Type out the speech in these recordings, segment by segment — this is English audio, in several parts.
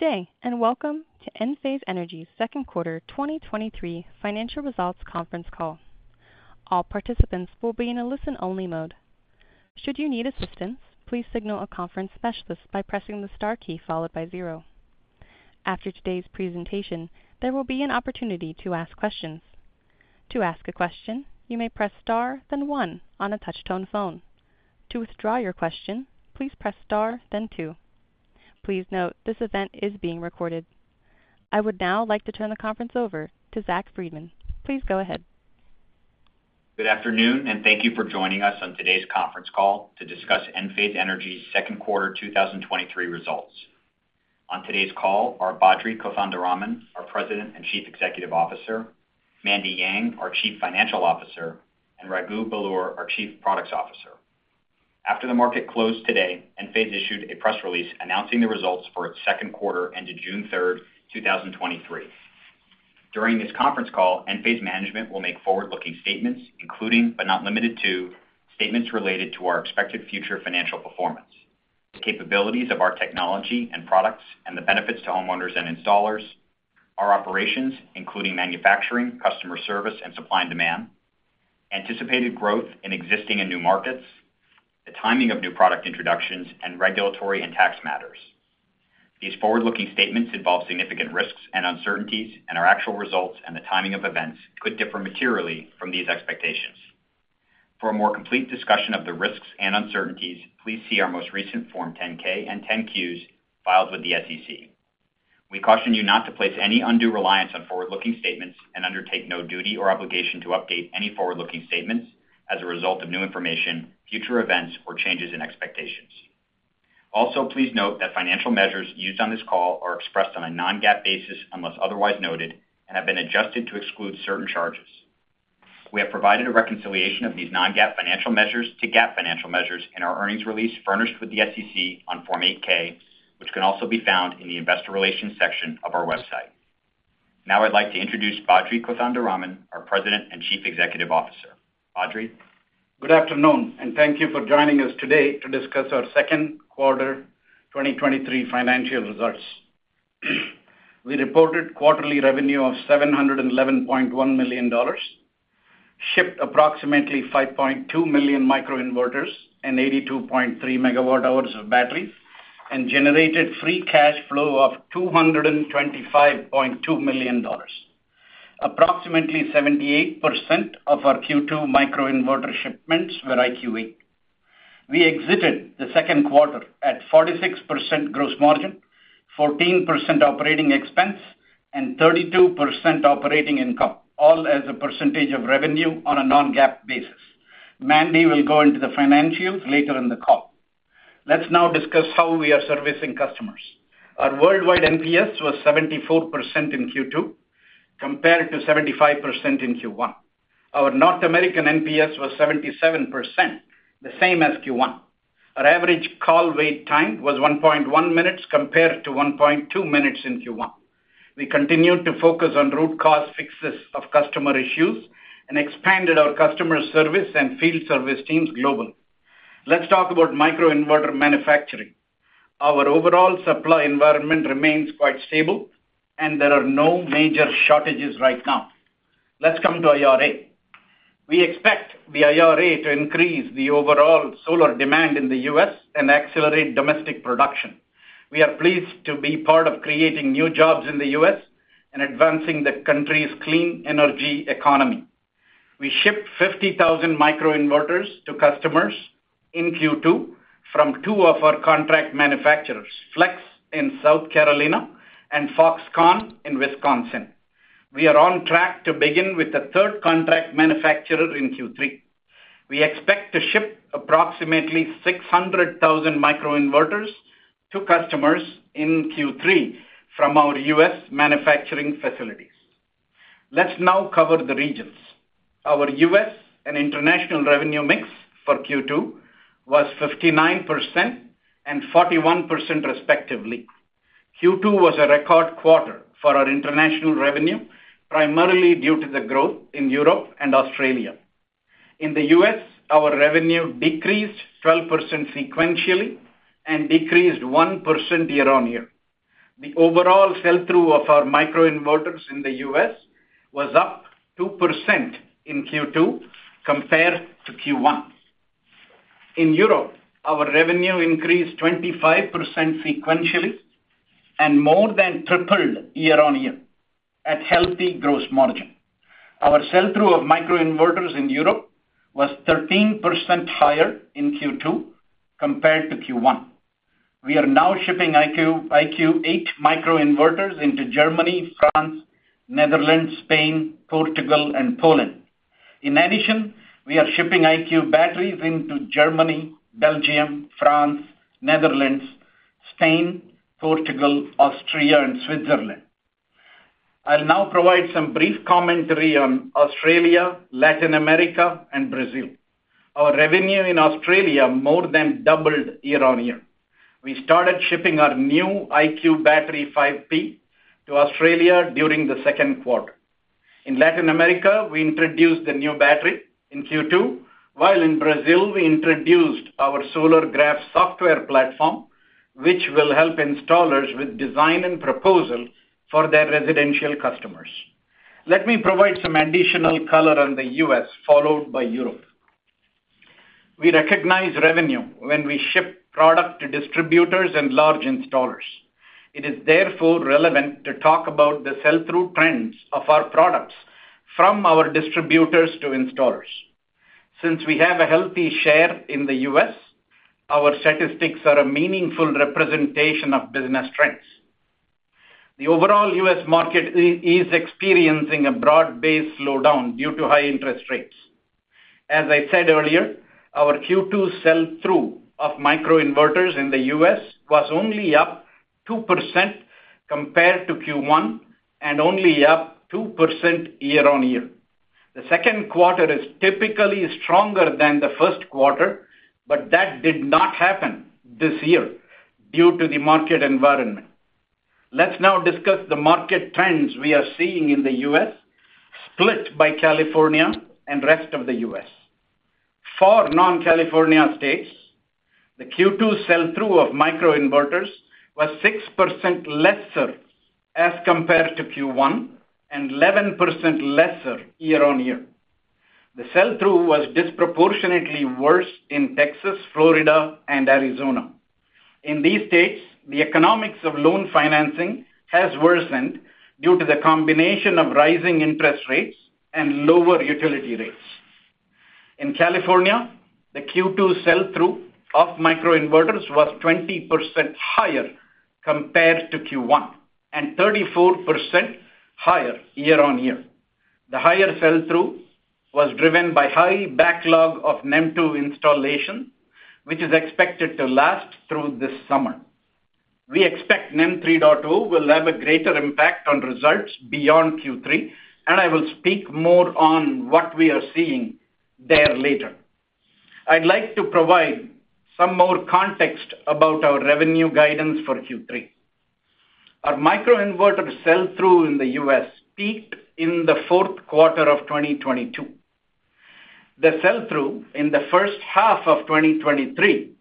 Good day, welcome to Enphase Energy's Q2 2023 Financial Results Conference Call. All participants will be in a listen-only mode. Should you need assistance, please signal a conference specialist by pressing the star key followed by zero. After today's presentation, there will be an opportunity to ask questions. To ask a question, you may press star, then one on a touch-tone phone. To withdraw your question, please press star, then two. Please note, this event is being recorded. I would now like to turn the conference over to Zach Freedman. Please go ahead. Good afternoon, thank you for joining us on today's conference call to discuss Enphase Energy's Q2 2023 results. On today's call are Badri Kothandaraman, our President and Chief Executive Officer, Mandy Yang, our Chief Financial Officer, and Raghu Belur, our Chief Products Officer. After the market closed today, Enphase issued a press release announcing the results for its second quarter ended 3 June 2023. During this conference call, Enphase management will make forward-looking statements, including, but not limited to, statements related to our expected future financial performance, the capabilities of our technology and products, and the benefits to homeowners and installers, our operations, including manufacturing, customer service, and supply and demand, anticipated growth in existing and new markets, the timing of new product introductions, and regulatory and tax matters. These forward-looking statements involve significant risks and uncertainties, and our actual results and the timing of events could differ materially from these expectations. For a more complete discussion of the risks and uncertainties, please see our most recent Form 10-K and 10-Qs filed with the SEC. We caution you not to place any undue reliance on forward-looking statements and undertake no duty or obligation to update any forward-looking statements as a result of new information, future events, or changes in expectations. Please note that financial measures used on this call are expressed on a non-GAAP basis, unless otherwise noted, and have been adjusted to exclude certain charges. We have provided a reconciliation of these non-GAAP financial measures to GAAP financial measures in our earnings release furnished with the SEC on Form 8-K, which can also be found in the Investor Relations section of our website. Now I'd like to introduce Badri Kothandaraman, our President and Chief Executive Officer. Badri? Good afternoon, and thank you for joining us today to discuss our Q2 of 2023 financial results. We reported quarterly revenue of $711.1 million, shipped approximately 5.2 million microinverters and 82.3 MWh of battery, and generated free cash flow of $225.2 million. Approximately 78% of our Q2 microinverter shipments were IQ8. We exited the Q2 at 46% gross margin, 14% operating expense, and 32% operating income, all as a percentage of revenue on a non-GAAP basis. Mandy will go into the financials later in the call. Let's now discuss how we are servicing customers. Our worldwide NPS was 74% in Q2, compared to 75% in Q1. Our North American NPS was 77%, the same as Q1. Our average call wait time was 1.1 minutes, compared to 1.2 minutes in Q1. We continued to focus on root cause fixes of customer issues and expanded our customer service and field service teams globally. Let's talk about microinverter manufacturing. Our overall supply environment remains quite stable, and there are no major shortages right now. Let's come to IRA. We expect the IRA to increase the overall solar demand in the U.S. and accelerate domestic production. We are pleased to be part of creating new jobs in the U.S. and advancing the country's clean energy economy. We shipped 50,000 microinverters to customers in Q2 from two of our contract manufacturers, Flex in South Carolina and Foxconn in Wisconsin. We are on track to begin with a third contract manufacturer in Q3. We expect to ship approximately 600,000 microinverters to customers in Q3 from our U.S. manufacturing facilities. Let's now cover the regions. Our U.S. and international revenue mix for Q2 was 59% and 41%, respectively. Q2 was a record quarter for our international revenue, primarily due to the growth in Europe and Australia. In the U.S., our revenue decreased 12% sequentially and decreased 1% year-on-year. The overall sell-through of our microinverters in the U.S. was up 2% in Q2 compared to Q1. In Europe, our revenue increased 25% sequentially and more than tripled year-on-year at healthy gross margin. Our sell-through of microinverters in Europe was 13% higher in Q2 compared to Q1. We are now shipping IQ, IQ8 microinverters into Germany, France, Netherlands, Spain, Portugal, and Poland. In addition, we are shipping IQ Batteries into Germany, Belgium, France, Netherlands, Spain, Portugal, Austria, and Switzerland. I'll now provide some brief commentary on Australia, Latin America, and Brazil. Our revenue in Australia more than doubled year-over-year. We started shipping our new IQ Battery 5P to Australia during the Q2. In Latin America, we introduced the new battery in Q2, while in Brazil, we introduced our Solargraf software platform, which will help installers with design and proposal for their residential customers. Let me provide some additional color on the U.S., followed by Europe. We recognize revenue when we ship product to distributors and large installers. It is therefore relevant to talk about the sell-through trends of our products from our distributors to installers. Since we have a healthy share in the U.S., our statistics are a meaningful representation of business trends. The overall U.S. market is experiencing a broad-based slowdown due to high interest rates. As I said earlier, our Q2 sell-through of microinverters in the U.S. was only up 2% compared to Q1, and only up 2% year-on-year. The Q2 is typically stronger than the Q1, but that did not happen this year due to the market environment. Let's now discuss the market trends we are seeing in the U.S. split by California and rest of the U.S. For non-California states, the Q2 sell-through of microinverters was 6% lesser as compared to Q1, and 11% lesser year-on-year. The sell-through was disproportionately worse in Texas, Florida, and Arizona. In these states, the economics of loan financing has worsened due to the combination of rising interest rates and lower utility rates. In California, the Q2 sell-through of microinverters was 20% higher compared to Q1, and 34% higher year-on-year. The higher sell-through was driven by high backlog of NEM 2.0 installation, which is expected to last through this summer. We expect NEM 3.0 will have a greater impact on results beyond Q3, and I will speak more on what we are seeing there later. I'd like to provide some more context about our revenue guidance for Q3. Our microinverter sell-through in the U.S. peaked in the Q4 of 2022. The sell-through in the H1 of 2023,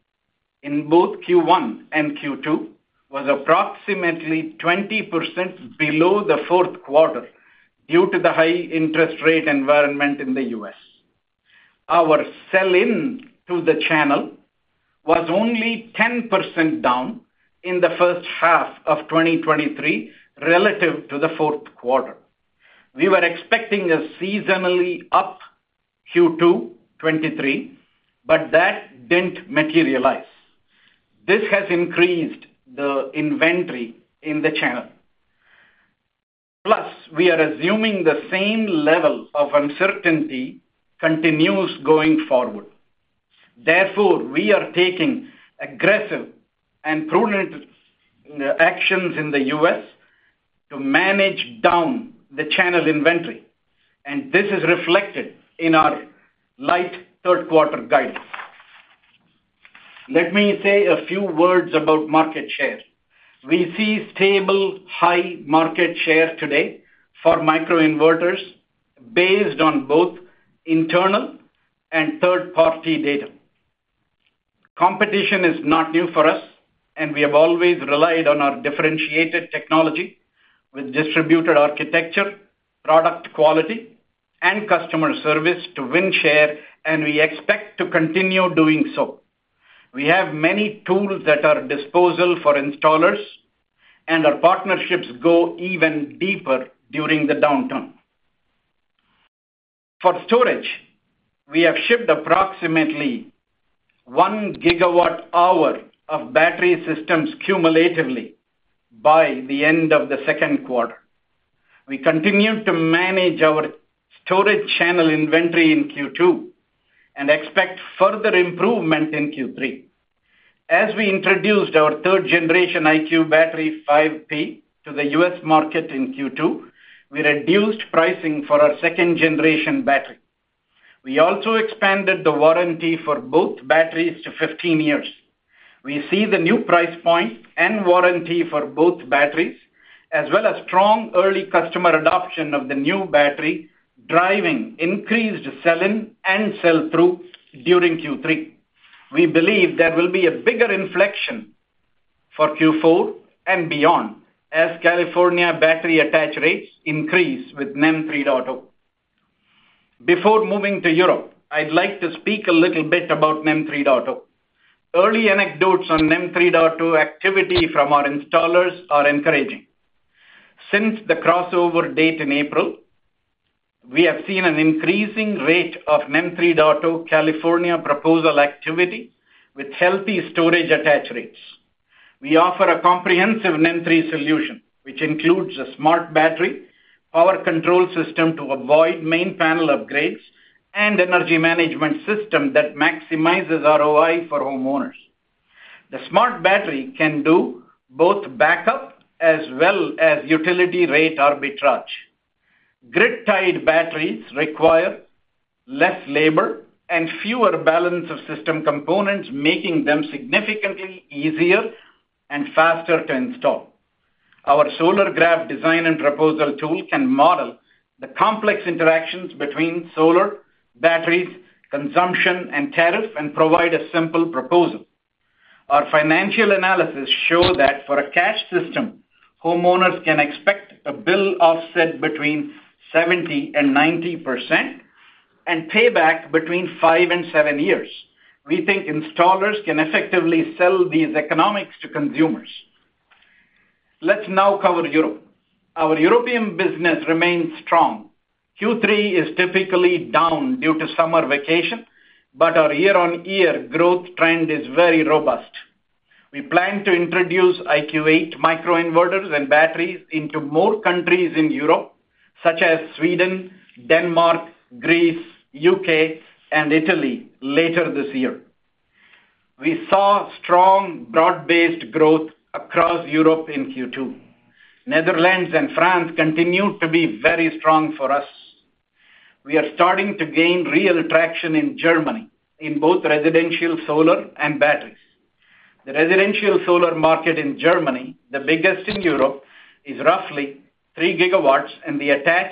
in both Q1 and Q2, was approximately 20% below the Q4 due to the high interest rate environment in the U.S. Our sell-in to the channel was only 10% down in the H1 of 2023 relative to the Q4. We were expecting a seasonally up Q2 2023, that didn't materialize. This has increased the inventory in the channel. We are assuming the same level of uncertainty continues going forward. Therefore, we are taking aggressive and prudent actions in the U.S. to manage down the channel inventory, and this is reflected in our light Q3 guidance. Let me say a few words about market share. We see stable, high market share today for microinverters based on both internal and third-party data. Competition is not new for us, and we have always relied on our differentiated technology with distributed architecture, product quality, and customer service to win share, and we expect to continue doing so. We have many tools at our disposal for installers, and our partnerships go even deeper during the downturn. For storage, we have shipped approximately 1 GWh of battery systems cumulatively by the end of the Q2. We continued to manage our storage channel inventory in Q2 and expect further improvement in Q3. As we introduced our 3rd-gen IQ Battery 5P to the U.S. market in Q2, we reduced pricing for our 2nd-gen battery. We also expanded the warranty for both batteries to 15 years. We see the new price point and warranty for both batteries, as well as strong early customer adoption of the new battery, driving increased sell-in and sell-through during Q3. We believe there will be a bigger inflection for Q4 and beyond as California battery attach rates increase with NEM 3.0. Before moving to Europe, I'd like to speak a little bit about NEM 3.0. Early anecdotes on NEM 3.0 activity from our installers are encouraging. Since the crossover date in April, we have seen an increasing rate of NEM 3.0 California proposal activity with healthy storage attach rates. We offer a comprehensive NEM 3.0 solution, which includes a smart battery, power control system to avoid main panel upgrades, and energy management system that maximizes ROI for homeowners. The smart battery can do both backup as well as utility rate arbitrage. Grid-tied batteries require less labor, and fewer balance of system components, making them significantly easier and faster to install. Our Solargraf design and proposal tool can model the complex interactions between solar, batteries, consumption, and tariff, and provide a simple proposal. Our financial analysis show that for a cash system, homeowners can expect a bill offset between 70% and 90%, and payback between five and seven years. We think installers can effectively sell these economics to consumers. Let's now cover Europe. Our European business remains strong. Q3 is typically down due to summer vacation, but our year-on-year growth trend is very robust. We plan to introduce IQ8 microinverters and batteries into more countries in Europe, such as Sweden, Denmark, Greece, U.K., and Italy, later this year. We saw strong, broad-based growth across Europe in Q2. Netherlands and France continued to be very strong for us. We are starting to gain real traction in Germany, in both residential, solar, and batteries. The residential solar market in Germany, the biggest in Europe, is roughly 3 GW, and the attach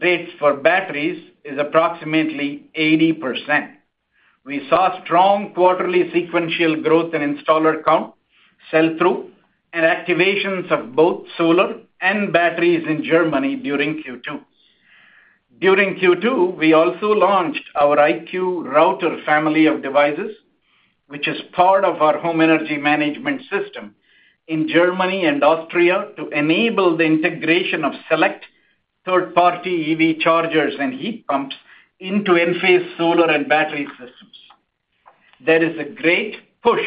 rates for batteries is approximately 80%. We saw strong quarterly sequential growth in installer count, sell-through, and activations of both solar and batteries in Germany during Q2. During Q2, we also launched our IQ Router family of devices, which is part of our home energy management system, in Germany and Austria, to enable the integration of select third-party EV chargers and heat pumps into Enphase solar and battery systems. There is a great push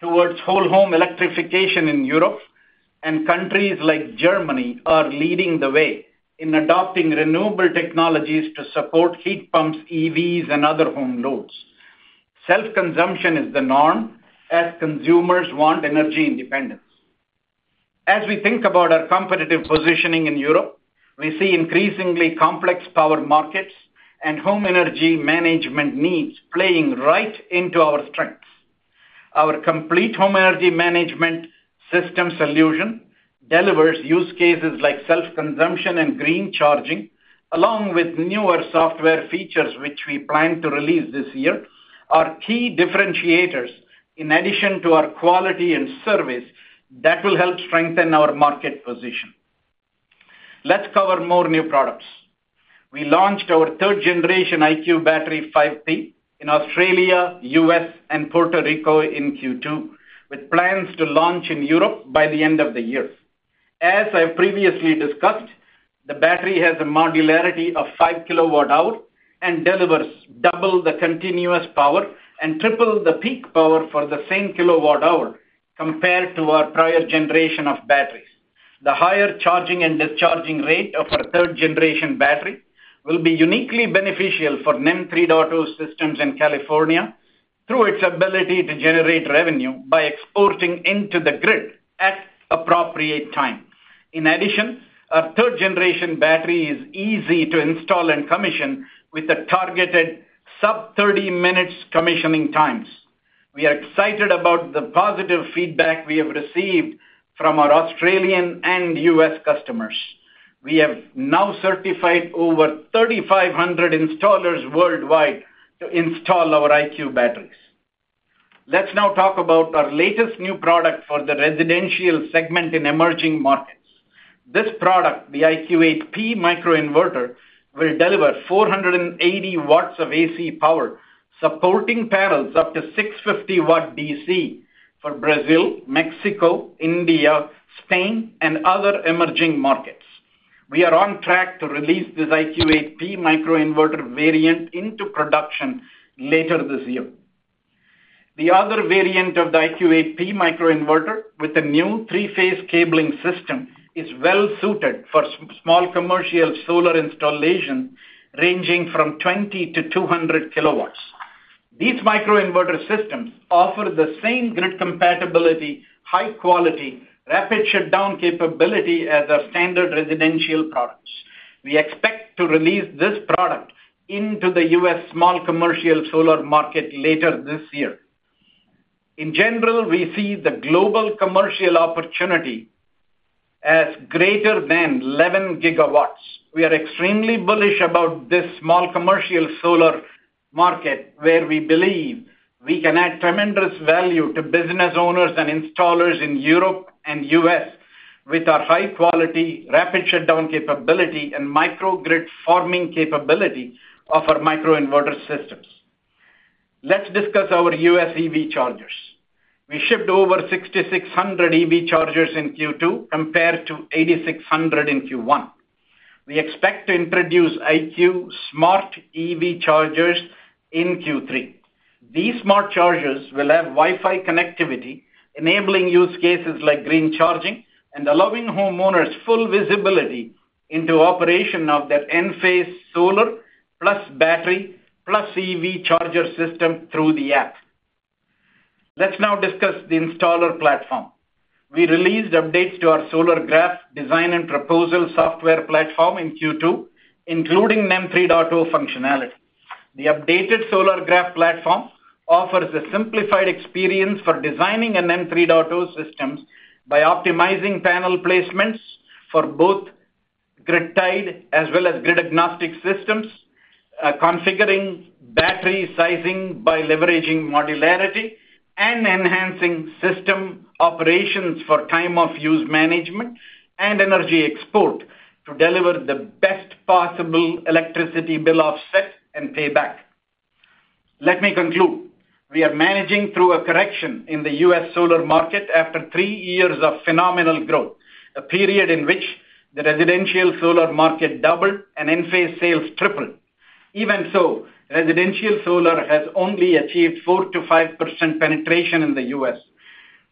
towards whole-home electrification in Europe, countries like Germany are leading the way in adopting renewable technologies to support heat pumps, EVs, and other home loads. Self-consumption is the norm, as consumers want energy independence. As we think about our competitive positioning in Europe, we see increasingly complex power markets and home energy management needs playing right into our strengths. Our complete home energy management system solution delivers use cases like self-consumption and green charging, along with newer software features, which we plan to release this year, are key differentiators in addition to our quality and service that will help strengthen our market position. Let's cover more new products. We launched our 3rd-gen IQ Battery 5P in Australia, U.S. and Puerto Rico in Q2, with plans to launch in Europe by the end of the year. As I previously discussed, the battery has a modularity of 5 kWh and delivers double the continuous power and triple the peak power for the same kWh compared to our prior generation of batteries. The higher charging and discharging rate of our 3rd-gen battery will be uniquely beneficial for NEM 3.0 systems in California through its ability to generate revenue by exporting into the grid at appropriate times. Our 3rd-gen battery is easy to install and commission, with the targeted sub-30 minutes commissioning times. We are excited about the positive feedback we have received from our Australian and U.S. customers. We have now certified over 3,500 installers worldwide to install our IQ Batteries. Let's now talk about our latest new product for the residential segment in emerging markets. This product, the IQ8P microinverter, will deliver 480 W of AC power, supporting panels up to 650 W DC for Brazil, Mexico, India, Spain, and other emerging markets. We are on track to release this IQ8P microinverter variant into production later this year. The other variant of the IQ8P microinverter, with a new three-phase cabling system, is well suited for small commercial solar installation, ranging from 20 kW-200 kW. These microinverter systems offer the same grid compatibility, high quality, rapid shutdown capability as our standard residential products. We expect to release this product into the U.S. small commercial solar market later this year. In general, we see the global commercial opportunity as greater than 11 GW. We are extremely bullish about this small commercial solar market, where we believe we can add tremendous value to business owners and installers in Europe and U.S. with our high-quality, rapid shutdown capability and microgrid forming capability of our microinverter systems. Let's discuss our U.S. EV chargers. We shipped over 6,600 EV chargers in Q2, compared to 8,600 in Q1. We expect to introduce IQ Smart EV chargers in Q3. These smart chargers will have Wi-Fi connectivity, enabling use cases like green charging and allowing homeowners full visibility into operation of their Enphase solar, plus battery, plus EV charger system through the app. Let's now discuss the installer platform. We released updates to our Solargraf design and proposal software platform in Q2, including NEM 3.0 functionality. The updated Solargraf platform offers a simplified experience for designing a NEM 3.0 systems by optimizing panel placements for both grid-tied as well as grid-agnostic systems, configuring battery sizing by leveraging modularity, and enhancing system operations for time of use management and energy export to deliver the best possible electricity bill offset and payback. Let me conclude. We are managing through a correction in the US solar market after three years of phenomenal growth, a period in which the residential solar market doubled and Enphase sales tripled. Even so, residential solar has only achieved 4%-5% penetration in the U.S.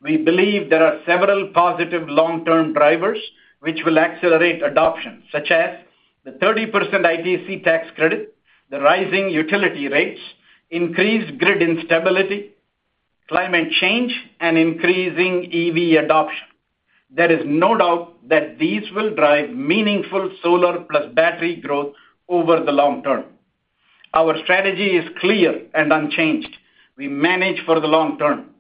We believe there are several positive long-term drivers, which will accelerate adoption, such as the 30% ITC tax credit, the rising utility rates, increased grid instability, climate change, and increasing EV adoption. There is no doubt that these will drive meaningful solar plus battery growth over the long term. Our strategy is clear and unchanged. We manage for the long term.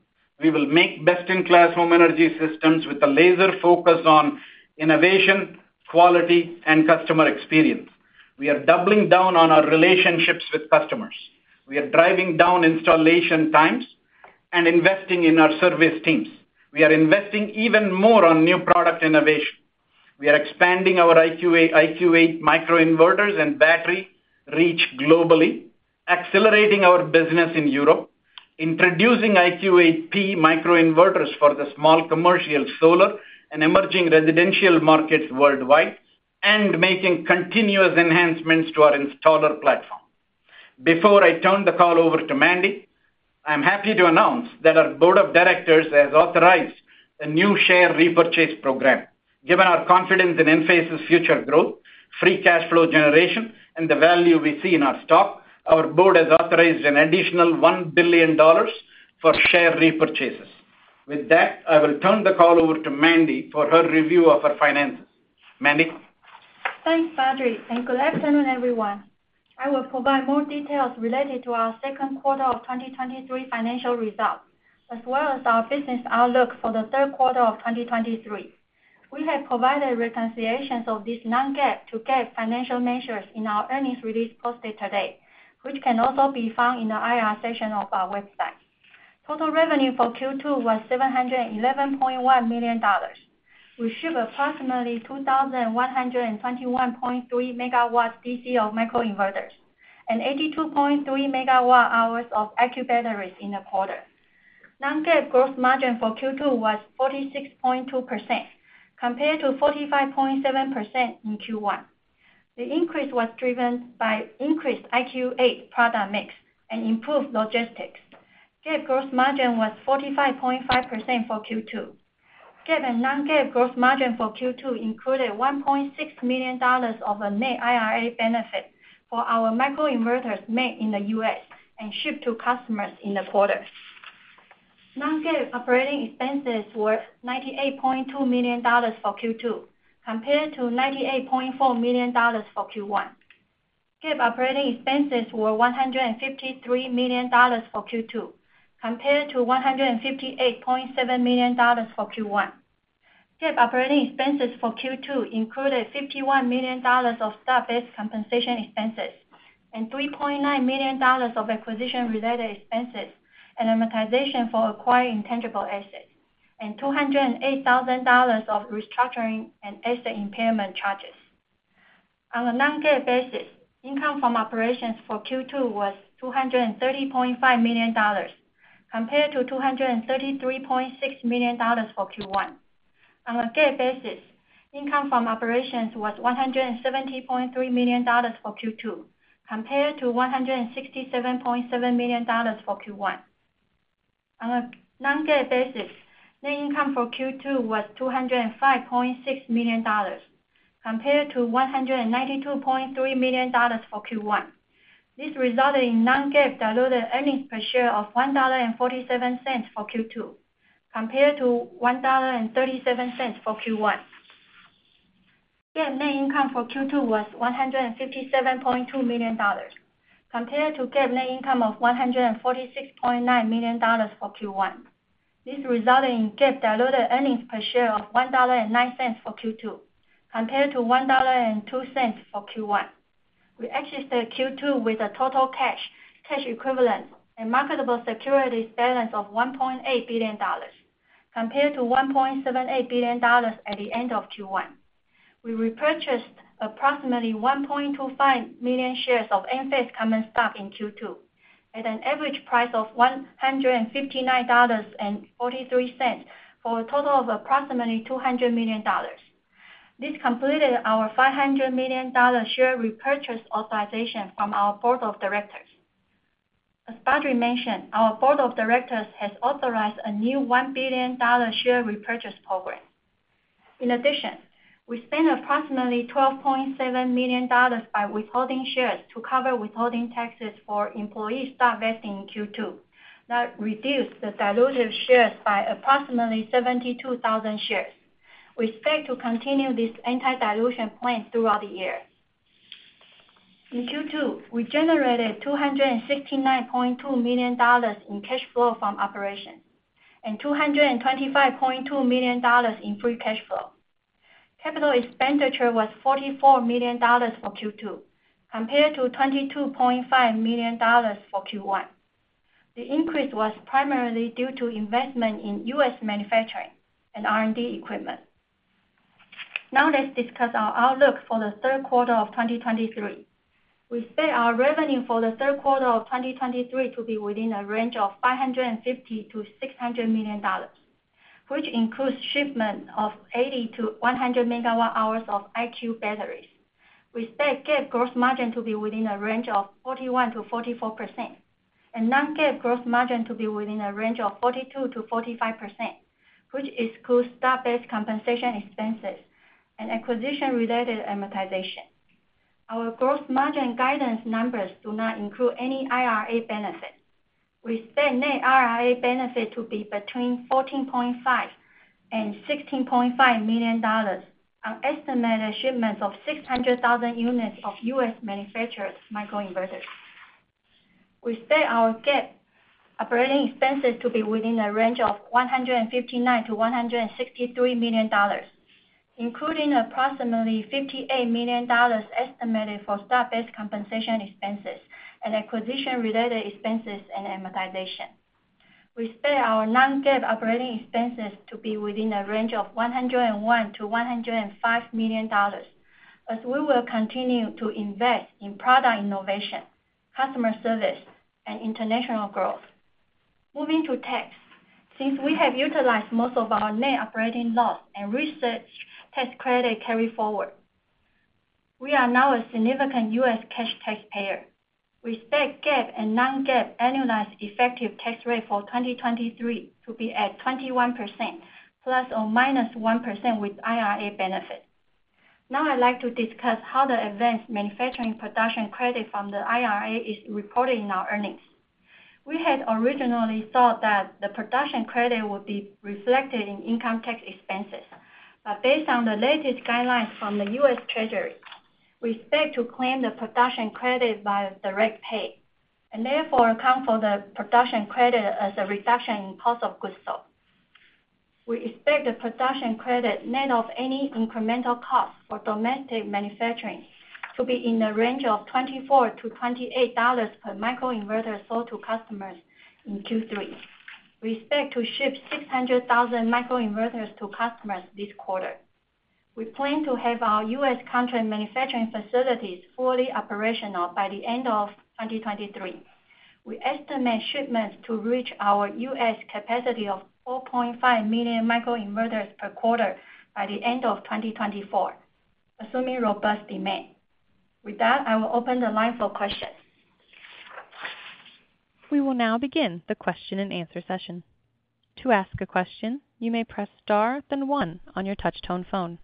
We will make best-in-class home energy systems with a laser focus on innovation, quality, and customer experience. We are doubling down on our relationships with customers. We are driving down installation times and investing in our service teams. We are investing even more on new product innovation. We are expanding our IQ8 microinverters and battery reach globally, accelerating our business in Europe, introducing IQ8P microinverters for the small commercial, solar, and emerging residential markets worldwide, and making continuous enhancements to our installer platform. Before I turn the call over to Mandy, I'm happy to announce that our board of directors has authorized a new share repurchase program. Given our confidence in Enphase's future growth, free cash flow generation, and the value we see in our stock, our board has authorized an additional $1 billion for share repurchases. With that, I will turn the call over to Mandy for her review of our finances. Mandy? Thanks, Badri. Good afternoon, everyone. I will provide more details related to our Q2 of 2023 financial results, as well as our business outlook for the Q3 of 2023. We have provided reconciliations of this non-GAAP to GAAP financial measures in our earnings release posted today, which can also be found in the IR section of our website. Total revenue for Q2 was $711.1 million. We shipped approximately 2,121.3 MW DC of microinverters, and 82.3 MWh of IQ Batteries in the quarter. Non-GAAP gross margin for Q2 was 46.2%, compared to 45.7% in Q1. The increase was driven by increased IQ8 product mix and improved logistics. GAAP gross margin was 45.5% for Q2. GAAP and non-GAAP gross margin for Q2 included $1.6 million of a net IRA benefit for our microinverters made in the U.S. and shipped to customers in the quarter. non-GAAP operating expenses were $98.2 million for Q2, compared to $98.4 million for Q1. GAAP operating expenses were $153 million for Q2, compared to $158.7 million for Q1. GAAP operating expenses for Q2 included $51 million of stock-based compensation expenses and $3.9 million of acquisition-related expenses, and amortization for acquiring tangible assets, and $208,000 of restructuring and asset impairment charges. On a non-GAAP basis, income from operations for Q2 was $230.5 million, compared to $233.6 million for Q1. On a GAAP basis, income from operations was $170.3 million for Q2, compared to $167.7 million for Q1. On a non-GAAP basis, net income for Q2 was $205.6 million, compared to $192.3 million for Q1. This resulted in non-GAAP diluted earnings per share of $1.47 for Q2, compared to $1.37 for Q1. GAAP net income for Q2 was $157.2 million, compared to GAAP net income of $146.9 million for Q1. This resulted in GAAP diluted earnings per share of $1.09 for Q2, compared to $1.02 for Q1. We exited Q2 with a total cash, cash equivalent, and marketable securities balance of $1.8 billion, compared to $1.78 billion at the end of Q1. We repurchased approximately 1.25 million shares of Enphase common stock in Q2, at an average price of $159.43, for a total of approximately $200 million. This completed our $500 million share repurchase authorization from our board of directors. As Badri mentioned, our board of directors has authorized a new $1 billion share repurchase program. In addition, we spent approximately $12.7 million by withholding shares to cover withholding taxes for employee stock vesting in Q2. That reduced the dilutive shares by approximately 72,000 shares. We expect to continue this anti-dilution plan throughout the year. In Q2, we generated $269.2 million in cash flow from operations and $225.2 million in free cash flow. Capital expenditure was $44 million for Q2, compared to $22.5 million for Q1. The increase was primarily due to investment in U.S. manufacturing and R&D equipment. Let's discuss our outlook for the Q3 of 2023. We expect our revenue for the Q3 of 2023 to be within a range of $550 million-$600 million, which includes shipment of 80 MWh-100 MWh of IQ Batteries. We expect GAAP gross margin to be within a range of 41%-44% and non-GAAP gross margin to be within a range of 42%-45%, which excludes stock-based compensation expenses and acquisition-related amortization. Our gross margin guidance numbers do not include any IRA benefits. We expect net IRA benefit to be between $14.5 million and $16.5 million on estimated shipments of 600,000 units of U.S.-manufactured microinverters. We expect our GAAP operating expenses to be within a range of $159 million-$163 million, including approximately $58 million estimated for stock-based compensation expenses and acquisition-related expenses and amortization. We expect our non-GAAP operating expenses to be within a range of $101 million-$105 million, as we will continue to invest in product innovation, customer service, and international growth. Moving to tax. Since we have utilized most of our net operating loss and research tax credit carryforward, we are now a significant U.S. cash taxpayer. We expect GAAP and non-GAAP annualized effective tax rate for 2023 to be at 21%, ±1% with IRA benefits. I'd like to discuss how the advanced manufacturing production credit from the IRA is reported in our earnings. We had originally thought that the production credit would be reflected in income tax expenses, based on the latest guidelines from the U.S. Treasury, we expect to claim the production credit by direct pay, and therefore, account for the production credit as a reduction in cost of goods sold. We expect the production credit, net of any incremental cost for domestic manufacturing, to be in the range of $24-$28 per microinverter sold to customers in Q3. We expect to ship 600,000 microinverters to customers this quarter. We plan to have our U.S. contract manufacturing facilities fully operational by the end of 2023. We estimate shipments to reach our U.S. capacity of 4.5 million microinverters per quarter by the end of 2024, assuming robust demand. With that, I will open the line for questions. We will now begin the question-and-answer session. To ask a question, you may press star, then one on your touchtone phone.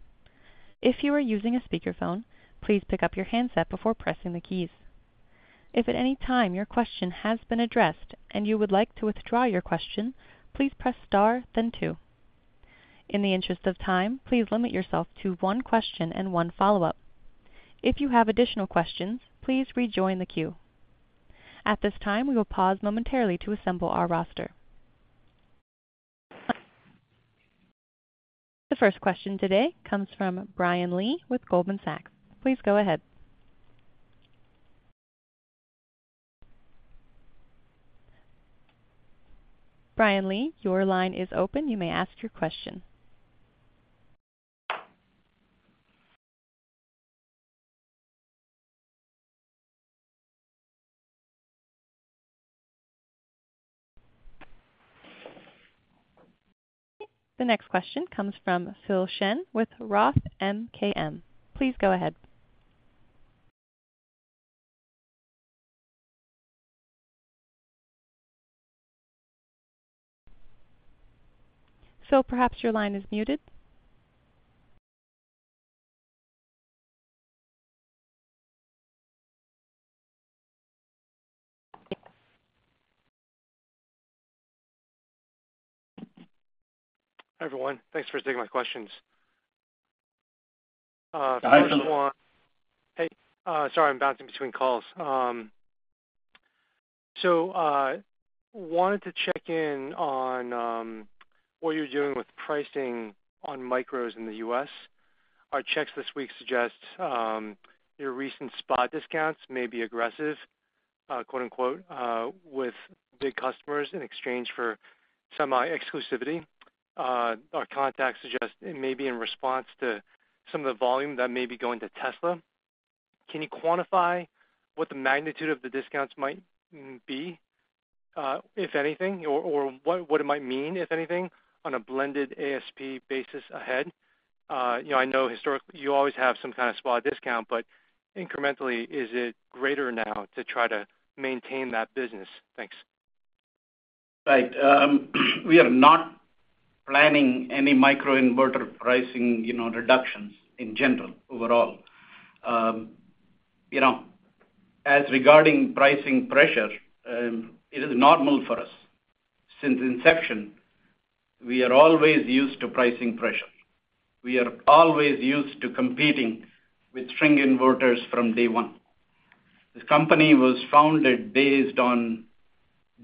If you are using a speakerphone, please pick up your handset before pressing the keys. If at any time your question has been addressed and you would like to withdraw your question, please press star then two. In the interest of time, please limit yourself to one question and one follow-up. If you have additional questions, please rejoin the queue. At this time, we will pause momentarily to assemble our roster. The first question today comes from Brian Lee with Goldman Sachs. Please go ahead. Brian Lee, your line is open. You may ask your question. The next question comes from Phil Shen with Roth MKM. Please go ahead. Phil, perhaps your line is muted. Hi, everyone. Thanks for taking my questions. Hi, Phil- Hey, sorry, I'm bouncing between calls. Wanted to check in on what you're doing with pricing on micros in the US. Our checks this week suggest your recent spot discounts may be aggressive, quote, unquote, with big customers in exchange for semi-exclusivity. Our contacts suggest it may be in response to some of the volume that may be going to Tesla. Can you quantify what the magnitude of the discounts might be, if anything, or what it might mean, if anything, on a blended ASP basis ahead? You know, I know historically, you always have some kind of spot discount, but incrementally, is it greater now to try to maintain that business? Thanks.... Right. We are not planning any microinverter pricing, you know, reductions in general, overall. You know, as regarding pricing pressure, it is normal for us. Since inception, we are always used to pricing pressure. We are always used to competing with string inverters from day one. This company was founded based on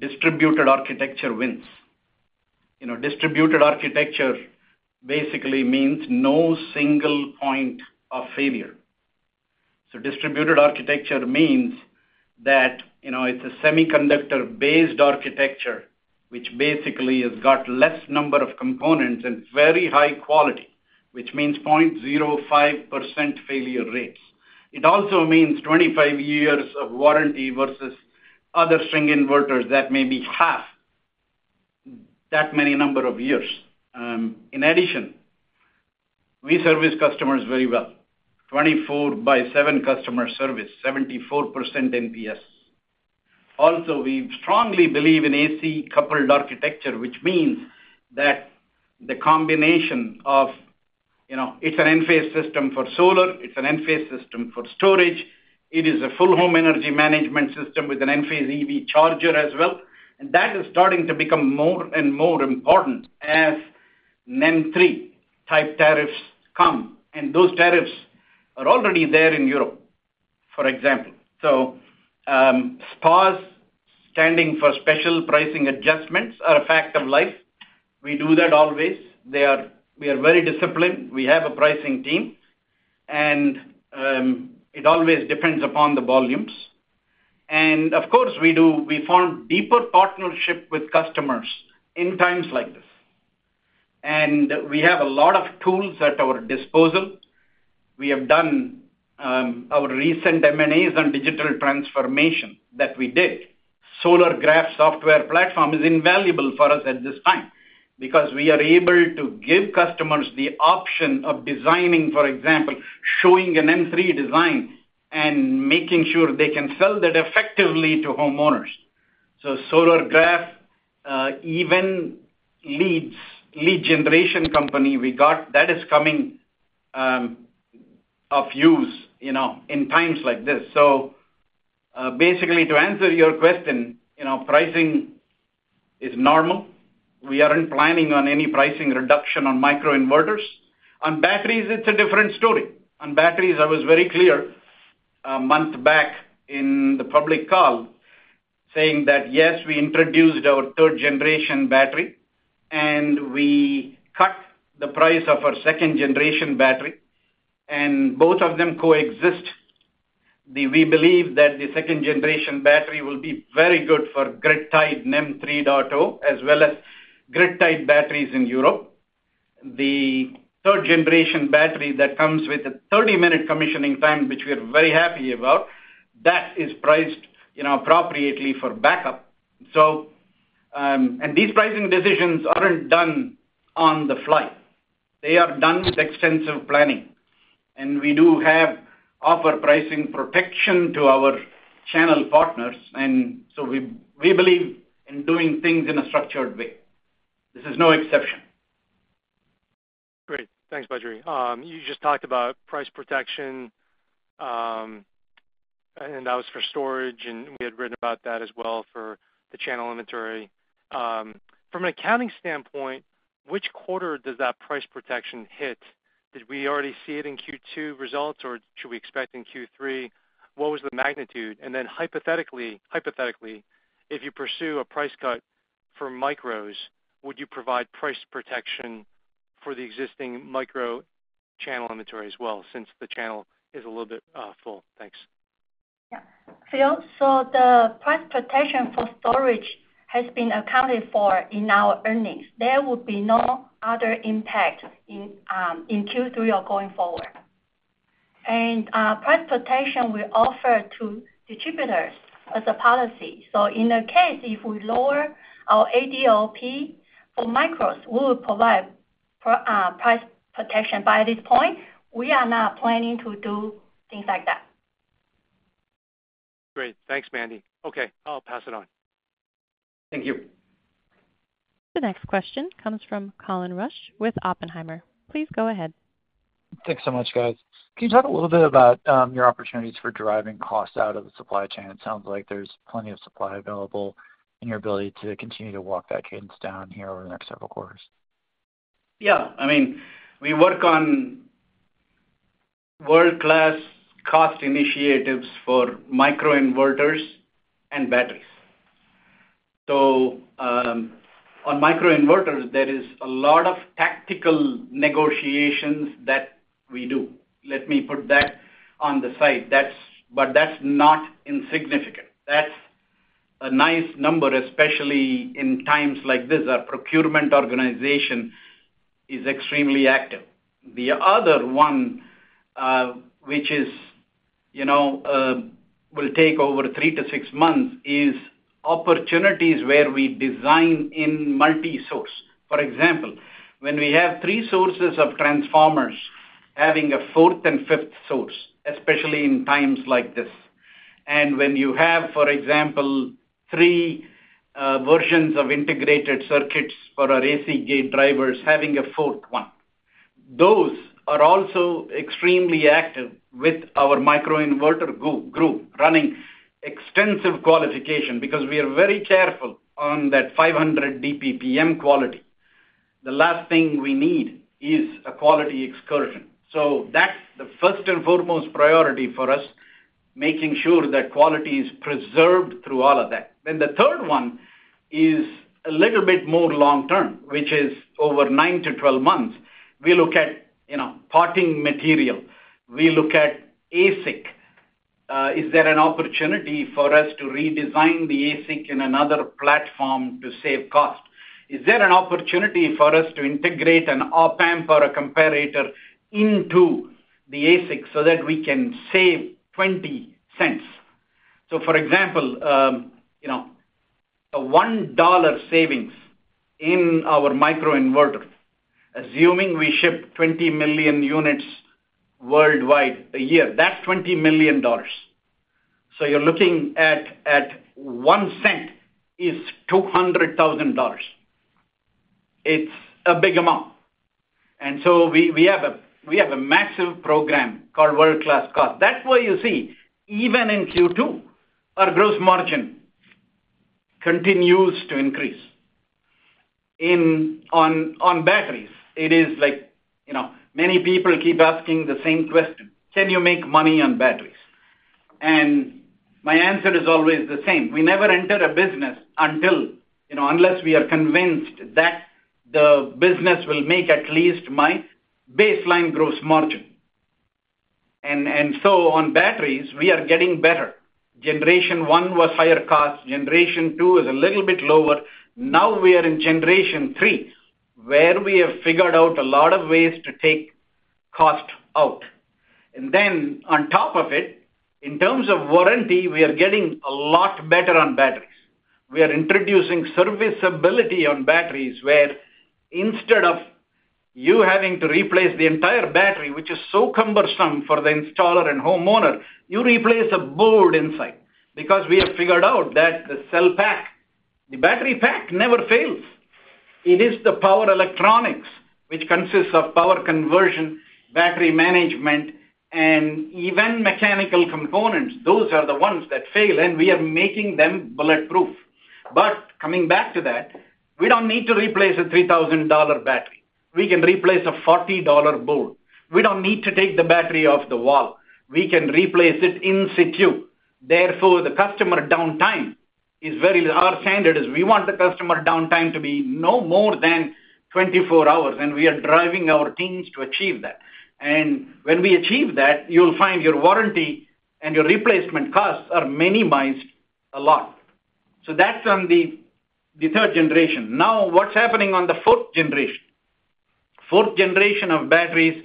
distributed architecture wins. You know, distributed architecture basically means no single point of failure. Distributed architecture means that, you know, it's a semiconductor-based architecture, which basically has got less number of components and very high quality, which means 0.05% failure rates. It also means 25 years of warranty versus other string inverters that may be half that many number of years. In addition, we service customers very well, 24 by 7 customer service, 74% NPS. Also, we strongly believe in AC-coupled architecture, which means that the combination of, you know, it's an Enphase system for solar, it's an Enphase system for storage, it is a full home energy management system with an Enphase EV charger as well. That is starting to become more and more important as NEM 3.0-type tariffs come, and those tariffs are already there in Europe, for example. SPAs, standing for Special Pricing Adjustments, are a fact of life. We do that always. We are very disciplined. We have a pricing team, and it always depends upon the volumes. Of course, we do, we form deeper partnership with customers in times like this. We have a lot of tools at our disposal. We have done our recent M&As on digital transformation that we did. Solargraf software platform is invaluable for us at this time because we are able to give customers the option of designing, for example, showing an NEM 3.0 design and making sure they can sell that effectively to homeowners. Solargraf, even leads, lead generation company we got, that is coming, of use, you know, in times like this. Basically, to answer your question, you know, pricing is normal. We aren't planning on any pricing reduction on microinverters. On batteries, it's a different story. On batteries, I was very clear, a month back in the public call, saying that, yes, we introduced our 3rd-gen battery, and we cut the price of our 2nd-gen battery, and both of them coexist. We believe that the 2nd-gen battery will be very good for grid-tied NEM 3.0, as well as grid-tied batteries in Europe. The 3rd-gen battery that comes with a 30-minute commissioning time, which we are very happy about, that is priced, you know, appropriately for backup. These pricing decisions aren't done on the fly. They are done with extensive planning, and we do have offer pricing protection to our channel partners, and so we, we believe in doing things in a structured way. This is no exception. Great. Thanks, Badri. You just talked about price protection, and that was for storage, and we had read about that as well for the channel inventory. From an accounting standpoint, which quarter does that price protection hit? Did we already see it in Q2 results, or should we expect in Q3? What was the magnitude? Then hypothetically, hypothetically, if you pursue a price cut for micros, would you provide price protection for the existing micro channel inventory as well, since the channel is a little bit full? Thanks. Yeah. Phil, the price protection for storage has been accounted for in our earnings. There will be no other impact in Q3 or going forward. Price protection we offer to distributors as a policy. In a case, if we lower our ADLP for micros, we will provide price protection, but at this point, we are not planning to do things like that. Great. Thanks, Mandy. Okay, I'll pass it on. Thank you. The next question comes from Colin Rusch with Oppenheimer. Please go ahead. Thanks so much, guys. Can you talk a little bit about your opportunities for driving costs out of the supply chain? It sounds like there's plenty of supply available and your ability to continue to walk that cadence down here over the next several quarters. Yeah. I mean, we work on world-clas cost initiatives for microinverters and batteries. On microinverters, there is a lot of tactical negotiations that we do. Let me put that on the side. That's not insignificant. That's a nice number, especially in times like this. Our procurement organization is extremely active. The other one, which is, you know, will take over three to six months, is opportunities where we design in multi-source. For example, when we have three sources of transformers, having a fourth and fifth source, especially in times like this. When you have, for example, three versions of integrated circuits for our AC gate drivers, having a fourth one. Those are also extremely active with our microinverter group, running extensive qualification, because we are very careful on that 500 DPPM quality. The last thing we need is a quality excursion. That's the first and foremost priority for us, making sure that quality is preserved through all of that. The third one is a little bit more long-term, which is over nine to 12 months. We look at, you know, potting material, we look at ASIC. Is there an opportunity for us to redesign the ASIC in another platform to save cost? Is there an opportunity for us to integrate an op-amp or a comparator into the ASIC so that we can save $0.20? For example, you know, a $1 savings in our microinverter, assuming we ship 20 million units worldwide a year, that's $20 million. You're looking at, at $0.01 is $200,000. It's a big amount. We have a massive program called World Class Cost. That's why you see, even in Q2, our gross margin continues to increase. On batteries, it is like, you know, many people keep asking the same question: Can you make money on batteries? My answer is always the same. We never enter a business until, you know, unless we are convinced that the business will make at least my baseline gross margin. On batteries, we are getting better. 1st generation was higher cost, 2nd generation is a little bit lower. Now we are in 3rd generation where we have figured out a lot of ways to take cost out. On top of it, in terms of warranty, we are getting a lot better on batteries. We are introducing serviceability on batteries, where instead of you having to replace the entire battery, which is so cumbersome for the installer and homeowner, you replace a board inside. We have figured out that the cell pack, the battery pack, never fails. It is the power electronics, which consists of power conversion, battery management, and even mechanical components, those are the ones that fail, and we are making them bulletproof. Coming back to that, we don't need to replace a $3,000 battery. We can replace a $40 board. We don't need to take the battery off the wall. We can replace it in situ. The customer downtime is very. Our standard is we want the customer downtime to be no more than 24 hours, and we are driving our teams to achieve that. When we achieve that, you'll find your warranty and your replacement costs are minimized a lot. That's on the, the 3rd generation. What's happening on the 4th generation? 4th generation of batteries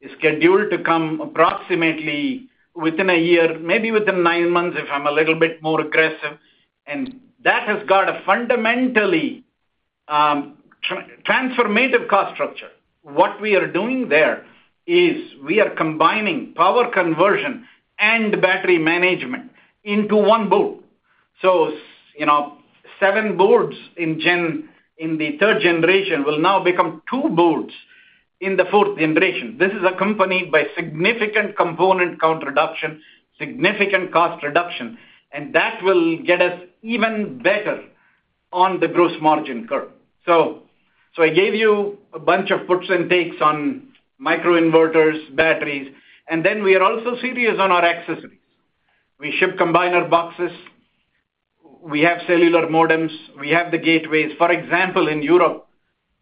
is scheduled to come approximately within a year, maybe within nine months, if I'm a little bit more aggressive, and that has got a fundamentally transformative cost structure. What we are doing there is we are combining power conversion and battery management into one board. You know, seven boards in the 3rd generation, will now become two boards in the 4th generation. This is accompanied by significant component count reduction, significant cost reduction, and that will get us even better on the gross margin curve. I gave you a bunch of puts and takes on microinverters, batteries, and then we are also serious on our accessories. We ship combiner boxes, we have cellular modems, we have the gateways. For example, in Europe,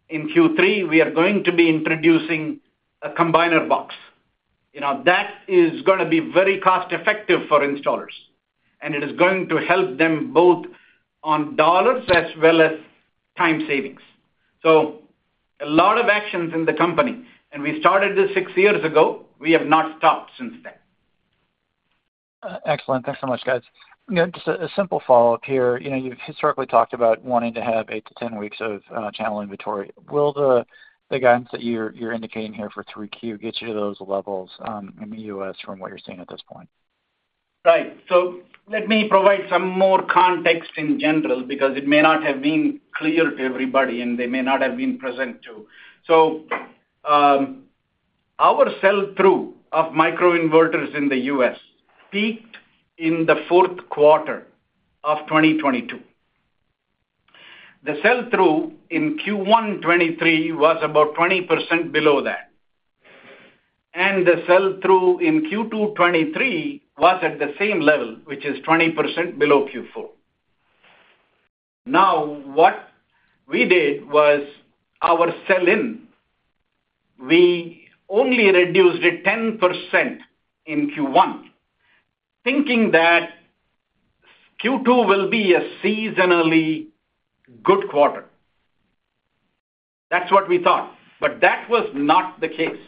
in Q3, we are going to be introducing a combiner box. You know, that is going to be very cost-effective for installers, and it is going to help them both on dollars as well as time savings. A lot of actions in the company, and we started this six years ago. We have not stopped since then. Excellent. Thanks so much, guys. You know, just a simple follow-up here. You know, you've historically talked about wanting to have eight to 10 weeks of channel inventory. Will the guidance that you're indicating here for Q3 get you to those levels in the U.S., from what you're seeing at this point? Right. Let me provide some more context in general, because it may not have been clear to everybody, and they may not have been present, too. Our sell-through of microinverters in the U.S. peaked in the Q4 of 2022. The sell-through in Q1 2023 was about 20% below that. The sell-through in Q2 2023 was at the same level, which is 20% below Q4. Now, what we did was our sell-in, we only reduced it 10% in Q1, thinking that Q2 will be a seasonally good quarter. That's what we thought, but that was not the case.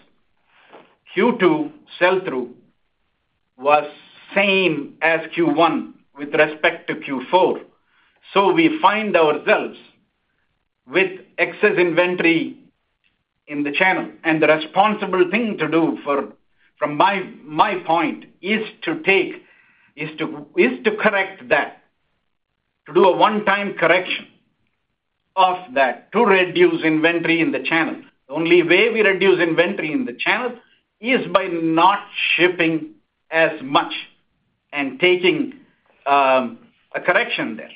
Q2 sell-through was same as Q1 with respect to Q4. We find ourselves with excess inventory in the channel, and the responsible thing to do for, from my, my point, is to correct that, to do a one-time correction of that, to reduce inventory in the channel. The only way we reduce inventory in the channel is by not shipping as much and taking a correction there.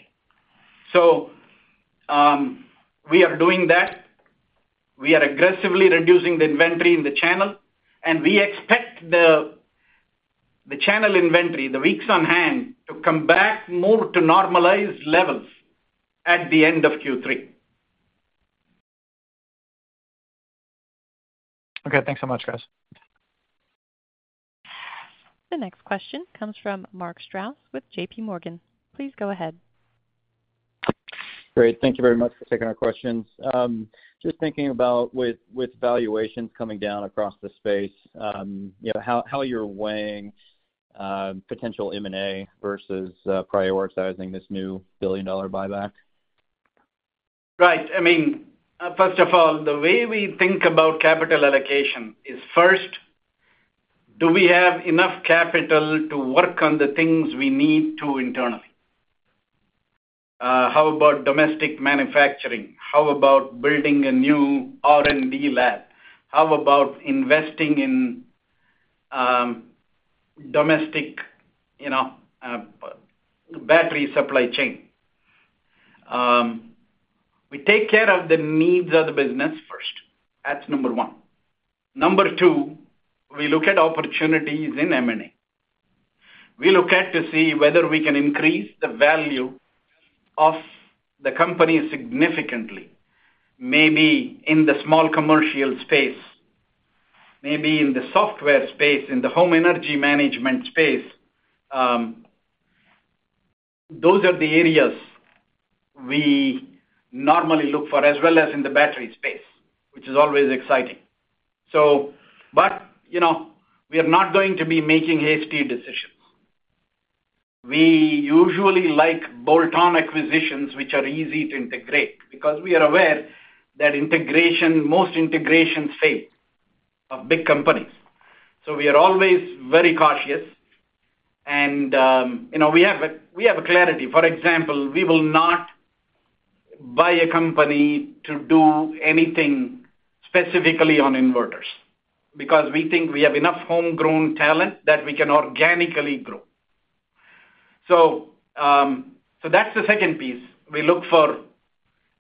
We are doing that. We are aggressively reducing the inventory in the channel, and we expect the, the channel inventory, the weeks on hand, to come back more to normalized levels at the end of Q3. Okay, thanks so much, guys. The next question comes from Mark Strouse with JPMorgan. Please go ahead. Great. Thank you very much for taking our questions. Just thinking about with, with valuations coming down across the space, you know, how, how you're weighing potential M&A versus prioritizing this new billion dollar buyback? Right. I mean, first of all, the way we think about capital allocation is, first, do we have enough capital to work on the things we need to internally? How about domestic manufacturing? How about building a new R&D lab? How about investing in, domestic, you know, battery supply chain? We take care of the needs of the business first. That's number one. Number two, we look at opportunities in M&A. We look at to see whether we can increase the value of the company significantly, maybe in the small commercial space, maybe in the software space, in the home energy management space. Those are the areas we normally look for, as well as in the battery space, which is always exciting. But, you know, we are not going to be making hasty decisions. We usually like bolt-on acquisitions, which are easy to integrate, because we are aware that integration, most integrations fail of big companies. We are always very cautious, and, you know, we have clarity. For example, we will not buy a company to do anything specifically on inverters, because we think we have enough homegrown talent that we can organically grow. That's the second piece. We look for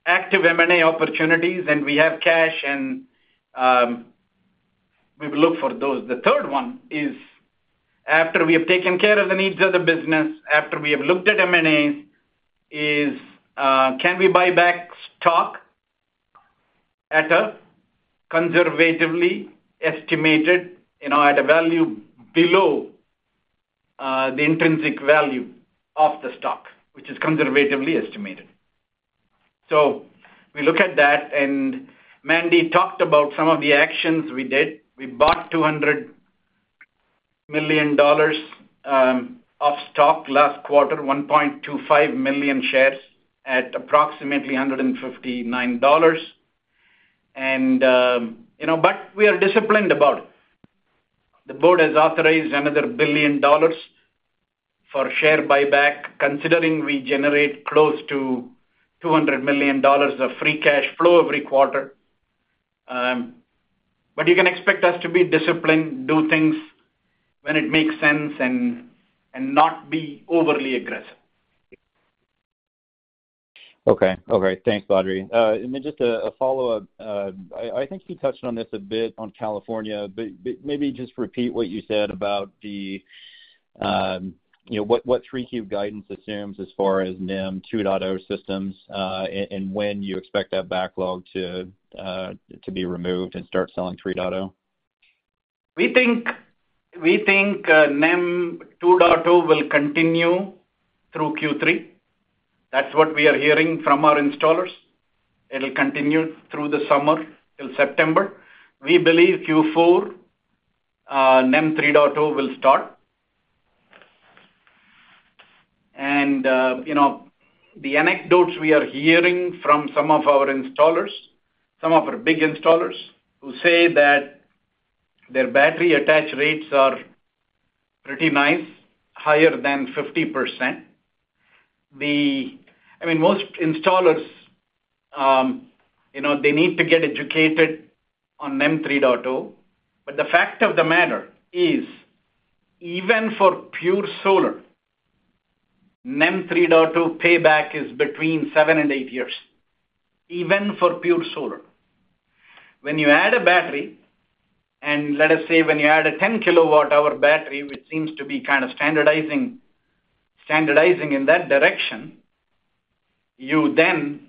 active M&A opportunities, and we have cash, and we will look for those. The third one is, after we have taken care of the needs of the business, after we have looked at M&As, is, can we buy back stock at a conservatively estimated, you know, at a value below the intrinsic value of the stock, which is conservatively estimated? We look at that, and Mandy talked about some of the actions we did. We bought $200 million of stock last quarter, 1.25 million shares at approximately $159. You know, but we are disciplined about it. The board has authorized another $1 billion for share buyback, considering we generate close to $200 million of free cash flow every quarter. But you can expect us to be disciplined, do things when it makes sense, and not be overly aggressive. Okay. All right. Thanks, Badri. Just a follow-up. I think you touched on this a bit on California, but maybe just repeat what you said about the, you know, what Q3 guidance assumes as far as NEM 2.0 systems, and when you expect that backlog to be removed and start selling 3.0? We think, we think NEM 2.0 will continue through Q3. That's what we are hearing from our installers. It'll continue through the summer, till September. We believe Q4, NEM 3.0 will start. You know, the anecdotes we are hearing from some of our installers, some of our big installers, who say that their battery attach rates are pretty nice, higher than 50%. I mean, most installers, you know, they need to get educated on NEM 3.0, but the fact of the matter is, even for pure solar, NEM 3.0 payback is between seven and eight years, even for pure solar. When you add a battery, and let us say, when you add a 10 kWh battery, which seems to be kind of standardizing, standardizing in that direction, you then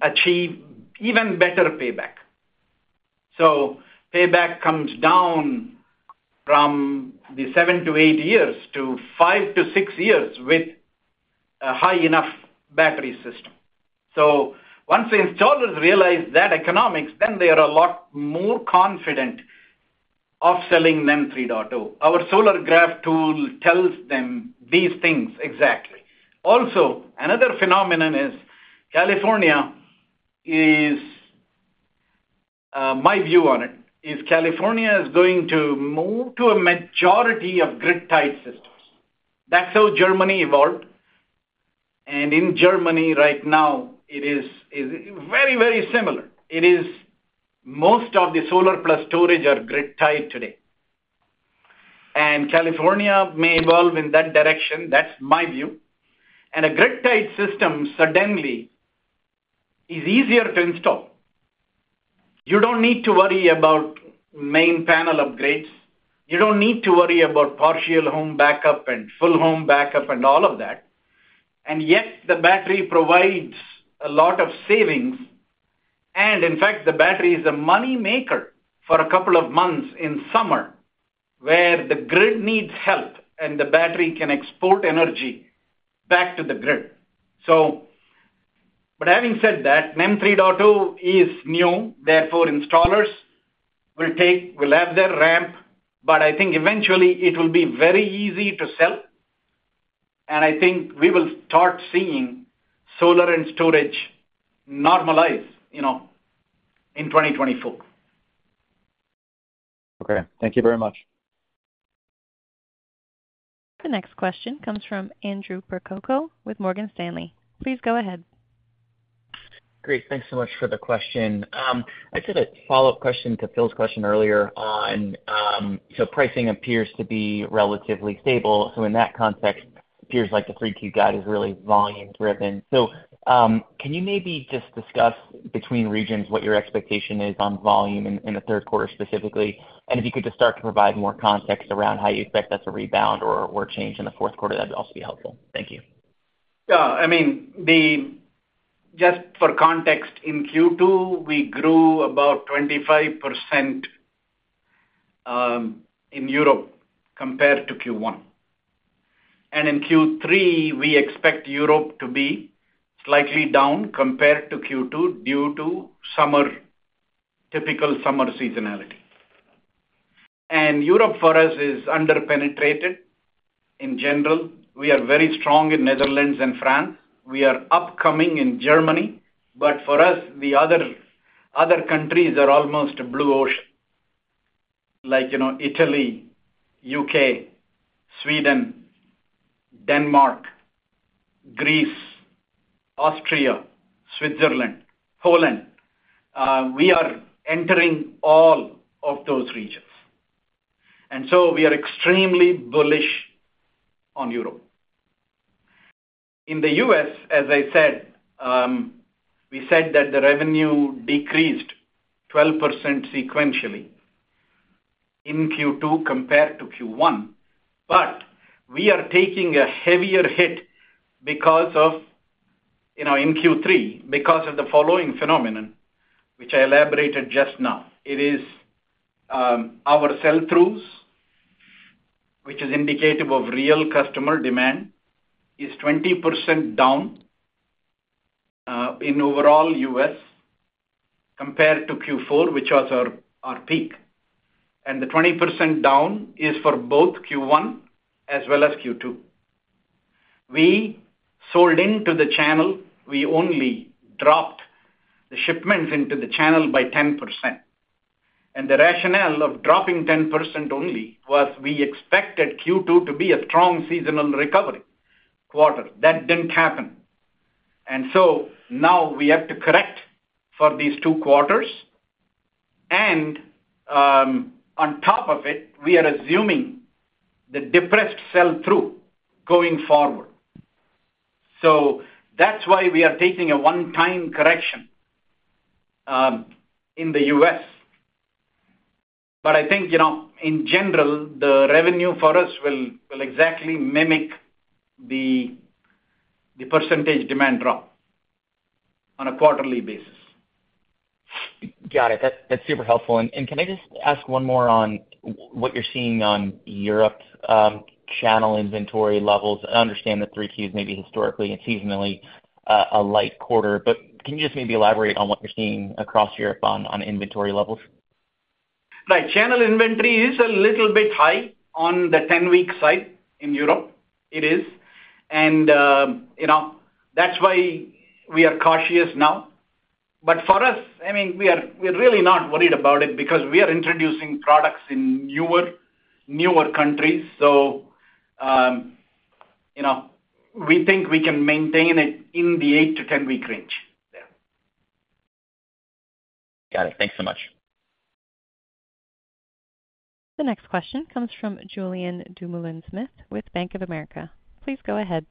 achieve even better payback. Payback comes down from the seven to eight years to five to six years with a high enough battery system. Once the installers realize that economics, then they are a lot more confident of selling them NEM 3.0. Our Solargraf tool tells them these things exactly. Also, another phenomenon is, California is, my view on it, is California is going to move to a majority of grid-tied systems. That's how Germany evolved, and in Germany right now, it is, is very, very similar. It is most of the solar plus storage are grid-tied today. California may evolve in that direction, that's my view. A grid-tied system suddenly is easier to install. You don't need to worry about main panel upgrades. You don't need to worry about partial home backup and full home backup and all of that. Yet the battery provides a lot of savings. In fact, the battery is a money maker for a couple of months in summer, where the grid needs help, and the battery can export energy back to the grid. Having said that, NEM 3.0 is new, therefore, installers will take, will have their ramp, but I think eventually it will be very easy to sell, and I think we will start seeing solar and storage normalize, you know, in 2024. Okay, thank you very much. The next question comes from Andrew Percoco with Morgan Stanley. Please go ahead. Great, thanks so much for the question. I just had a follow-up question to Phil's question earlier on, pricing appears to be relatively stable. In that context, appears like the Q3 guide is really volume-driven. Can you maybe just discuss between regions what your expectation is on volume in, in the Q3 specifically? If you could just start to provide more context around how you expect that to rebound or, or change in the Q4, that'd also be helpful. Thank you. Yeah, I mean, the just for context, in Q2, we grew about 25% in Europe compared to Q1. In Q3, we expect Europe to be slightly down compared to Q2, due to summer, typical summer seasonality. Europe, for us, is under-penetrated in general. We are very strong in Netherlands and France. We are upcoming in Germany, but for us, the other, other countries are almost a blue ocean. Like, you know, Italy, U.K., Sweden, Denmark, Greece, Austria, Switzerland, Poland, we are entering all of those regions. We are extremely bullish on Europe. In the U.S., as I said, we said that the revenue decreased 12% sequentially in Q2 compared to Q1, but we are taking a heavier hit because of, you know, in Q3, because of the following phenomenon, which I elaborated just now. It is, our sell-throughs, which is indicative of real customer demand, is 20% down in overall U.S. compared to Q4, which was our, our peak. The 20% down is for both Q1 as well as Q2. We sold into the channel. We only dropped the shipments into the channel by 10%. The rationale of dropping 10% only, was we expected Q2 to be a strong seasonal recovery quarter. That didn't happen. Now we have to correct for these two quarters, on top of it, we are assuming the depressed sell-through going forward. That's why we are taking a one-time correction in the U.S. I think, you know, in general, the revenue for us will, will exactly mimic the, the percentage demand drop on a quarterly basis. Got it. That's, that's super helpful. Can I just ask one more on what you're seeing on Europe, channel inventory levels? I understand that Q3 is maybe historically and seasonally, a light quarter, but can you just maybe elaborate on what you're seeing across Europe on, on inventory levels? Right. Channel inventory is a little bit high on the 10-week side in Europe. It is. you know, that's why we are cautious now. for us, I mean, we're really not worried about it because we are introducing products in newer, newer countries. you know, we think we can maintain it in the eight to 10-week range there. Got it. Thanks so much. The next question comes from Julien Dumoulin-Smith, with Bank of America. Please go ahead.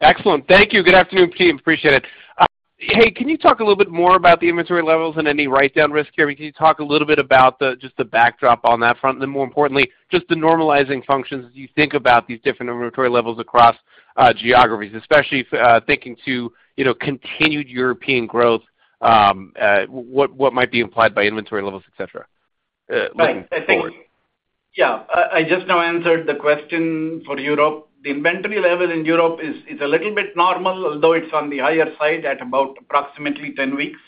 Excellent. Thank you. Good afternoon, [P] Appreciate it. Hey, can you talk a little bit more about the inventory levels and any write-down risk here? Can you talk a little bit about the, just the backdrop on that front, and then more importantly, just the normalizing functions as you think about these different inventory levels across geographies, especially thinking to, you know, continued European growth, what, what might be implied by inventory levels, et cetera, looking forward?... Yeah, I, I just now answered the question for Europe. The inventory level in Europe is, is a little bit normal, although it's on the higher side at about approximately 10 weeks.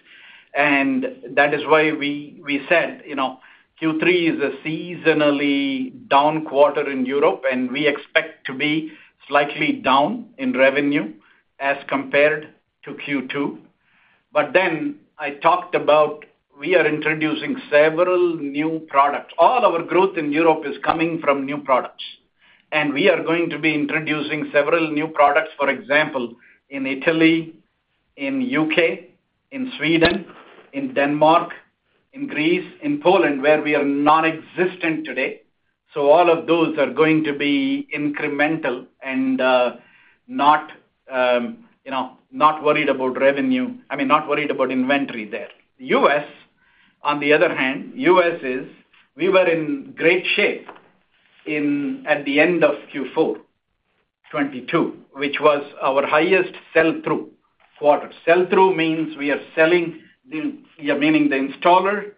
That is why we, we said, you know, Q3 is a seasonally down quarter in Europe, and we expect to be slightly down in revenue as compared to Q2. Then I talked about we are introducing several new products. All our growth in Europe is coming from new products, and we are going to be introducing several new products, for example, in Italy, in U.K., in Sweden, in Denmark, in Greece, in Poland, where we are non-existent today. All of those are going to be incremental and, not, you know, not worried about revenue. I mean, not worried about inventory there. U.S., on the other hand, U.S., we were in great shape at the end of Q4 2022, which was our highest sell-through quarter. Sell-through means we are selling the yeah, meaning the installer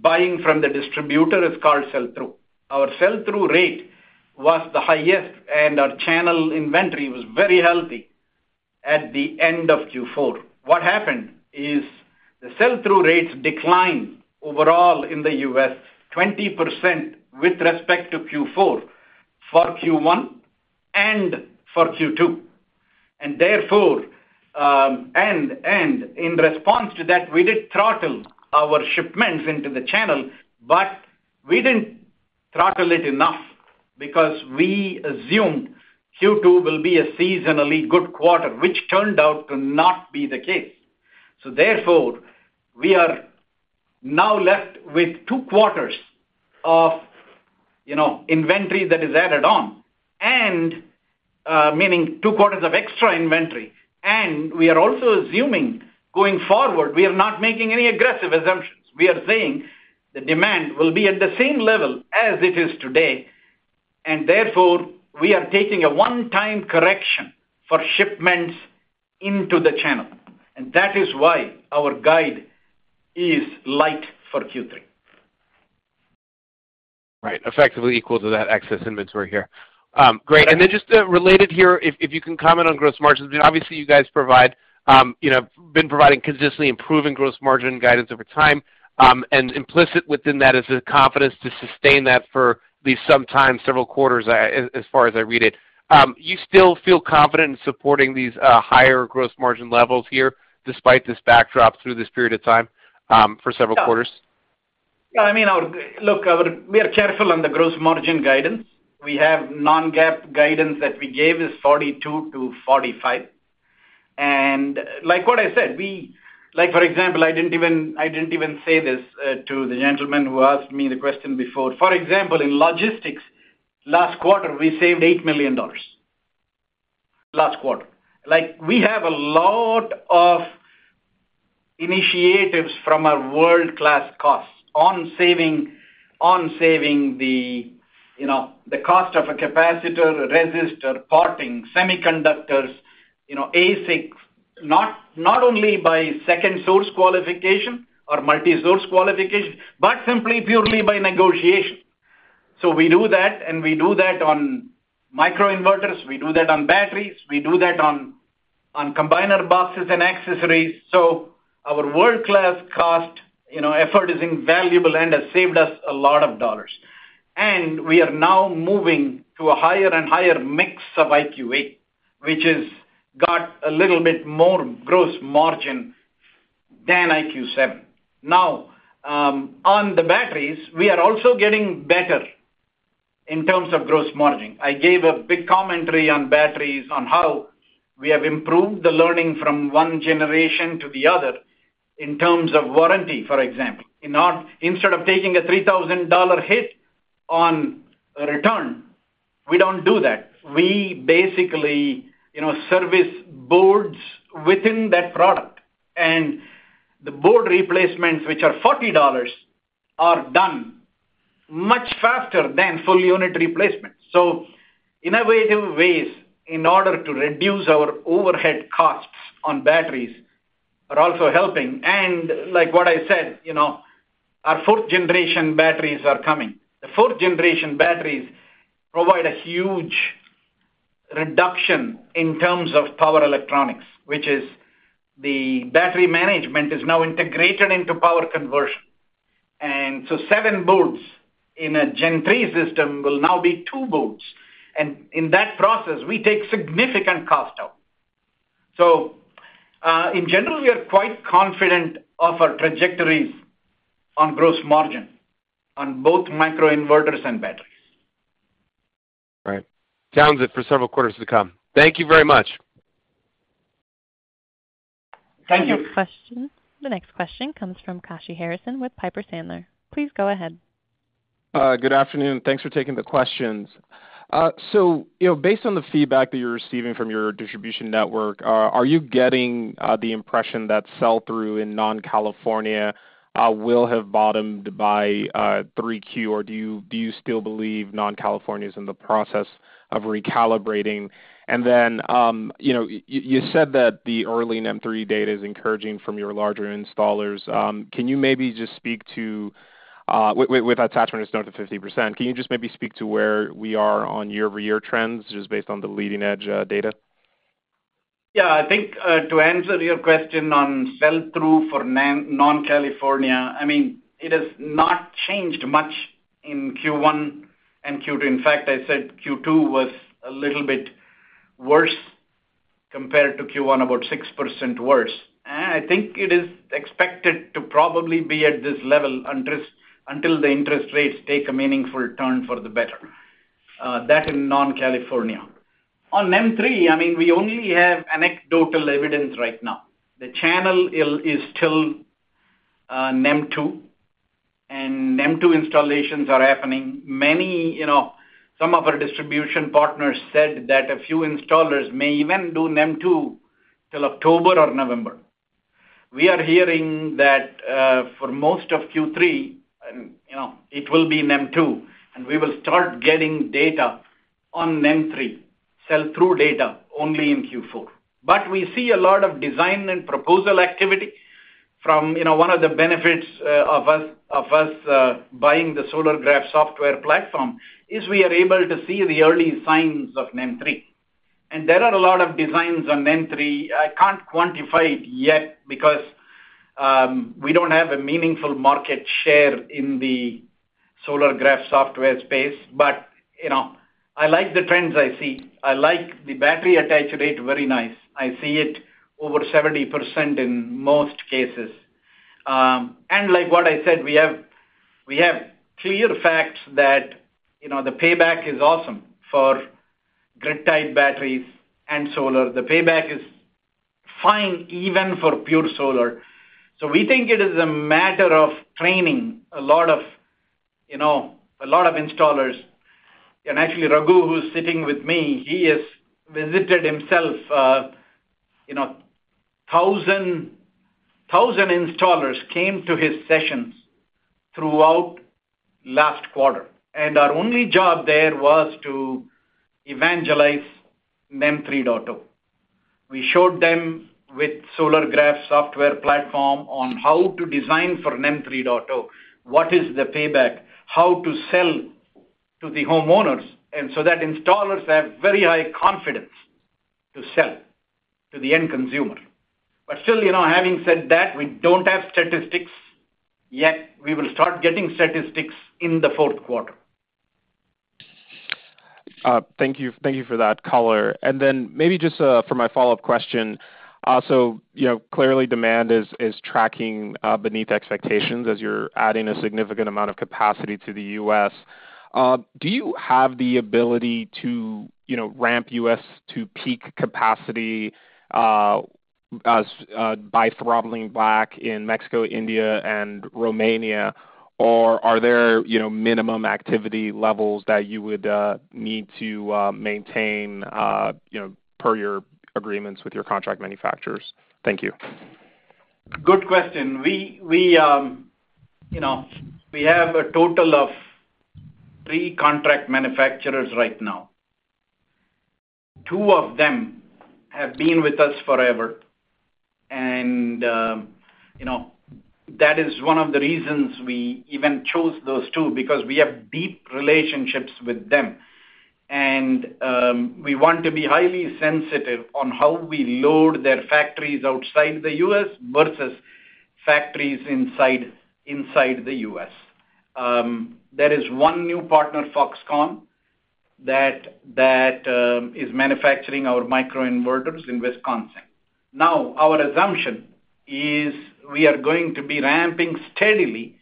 buying from the distributor is called sell-through. Our sell-through rate was the highest, and our channel inventory was very healthy at the end of Q4. What happened is the sell-through rates declined overall in the U.S., 20% with respect to Q4 for Q1 and for Q2. Therefore, in response to that, we did throttle our shipments into the channel, but we didn't throttle it enough because we assumed Q2 will be a seasonally good quarter, which turned out to not be the case. Therefore, we are now left with two quarters of, you know, inventory that is added on and meaning two quarters of extra inventory. We are also assuming, going forward, we are not making any aggressive assumptions. We are saying the demand will be at the same level as it is today, and therefore, we are taking a one-time correction for shipments into the channel. that is why our guide is light for Q3. Right. Effectively equal to that excess inventory here. Great. Then just, related here, if, if you can comment on gross margins. I mean, obviously, you guys provide, you know, been providing consistently improving gross margin guidance over time, and implicit within that is the confidence to sustain that for at least some time, several quarters, as, as far as I read it. You still feel confident in supporting these higher gross margin levels here, despite this backdrop through this period of time, for several quarters? Yeah, I mean, we are careful on the gross margin guidance. We have non-GAAP guidance that we gave is 42%-45%. Like what I said, for example, I didn't even, I didn't even say this to the gentleman who asked me the question before. For example, in logistics, last quarter, we saved $8 million. Last quarter. Like, we have a lot of initiatives from our world-class cost on saving, on saving the, you know, the cost of a capacitor, a resistor, parting, semiconductors, you know, ASIC. Not only by second source qualification or multi-source qualification, but simply purely by negotiation. We do that, and we do that on microinverters, we do that on batteries, we do that on combiner boxes and accessories. Our world-class cost, you know, effort is invaluable and has saved us a lot of dollars. We are now moving to a higher and higher mix of IQ8, which is got a little bit more gross margin than IQ7. Now, on the batteries, we are also getting better in terms of gross margin. I gave a big commentary on batteries, on how we have improved the learning from one generation to the other in terms of warranty, for example. Instead of taking a $3,000 hit on a return, we don't do that. We basically, you know, service boards within that product, and the board replacements, which are $40, are done much faster than full unit replacement. Innovative ways in order to reduce our overhead costs on batteries are also helping. Like what I said, you know, our 4th-gen batteries are coming. The 4th-gen batteries provide a huge reduction in terms of power electronics, which is the battery management is now integrated into power conversion. So seven boards in a 3rd generation system will now be two boards, and in that process, we take significant cost out. In general, we are quite confident of our trajectories on gross margin on both microinverters and batteries. Right. Sounds it for several quarters to come. Thank you very much. Thank you. Our next question, the next question comes from Kashy Harrison with Piper Sandler. Please go ahead. Good afternoon, and thanks for taking the questions. You know, based on the feedback that you're receiving from your distribution network, are you getting the impression that sell-through in non-California will have bottomed by Q3? Or do you, do you still believe non-California is in the process of recalibrating? Then, you know, you said that the early NEM 3.0 data is encouraging from your larger installers. Can you maybe just speak to, with, with, with attachment it's down to 50%, can you just maybe speak to where we are on year-over-year trends, just based on the leading-edge data? Yeah, I think, to answer your question on sell-through for non-California, I mean, it has not changed much in Q1 and Q2. In fact, I said Q2 was a little bit worse compared to Q1, about 6% worse. I think it is expected to probably be at this level interest, until the interest rates take a meaningful turn for the better, that in non-California. On NEM 3.0, I mean, we only have anecdotal evidence right now. The channel is, is still, NEM 2.0, and NEM 2.0 installations are happening. Many, you know, some of our distribution partners said that a few installers may even do NEM 2.0 till October or November. We are hearing that, for most of Q3, and, you know, it will be NEM 2.0, and we will start getting data on NEM 3.0, sell-through data, only in Q4. We see a lot of design and proposal activity from, you know, one of the benefits of us, of us buying the Solargraf software platform, is we are able to see the early signs of NEM 3.0. There are a lot of designs on NEM 3.0. I can't quantify it yet because we don't have a meaningful market share in the Solargraf software space. You know, I like the trends I see. I like the battery attach rate, very nice. I see it over 70% in most cases. Like what I said, we have, we have clear facts that, you know, the payback is awesome for grid-tied batteries and solar. The payback is fine, even for pure solar. We think it is a matter of training a lot of, you know, a lot of installers. Actually, Raghu, who's sitting with me, he has visited himself, you know, 1,000, 1,000 installers came to his sessions throughout last quarter. Our only job there was to evangelize NEM 3.0. We showed them with Solargraf software platform on how to design for NEM 3.0, what is the payback, how to sell to the homeowners, and so that installers have very high confidence to sell to the end consumer. Still, you know, having said that, we don't have statistics yet. We will start getting statistics in the Q4. Thank you, thank you for that color. Then maybe just for my follow-up question. You know, clearly, demand is, is tracking beneath expectations as you're adding a significant amount of capacity to the U.S. Do you have the ability to, you know, ramp U.S. to peak capacity as by throttling back in Mexico, India, and Romania, or are there, you know, minimum activity levels that you would need to maintain, you know, per your agreements with your contract manufacturers? Thank you. Good question. We, we, you know, we have a total of three contract manufacturers right now. Two of them have been with us forever, and, you know, that is one of the reasons we even chose those two, because we have deep relationships with them. We want to be highly sensitive on how we load their factories outside the U.S. versus factories inside, inside the U.S. There is one new partner, Foxconn, that, that, is manufacturing our microinverters in Wisconsin. Now, our assumption is we are going to be ramping steadily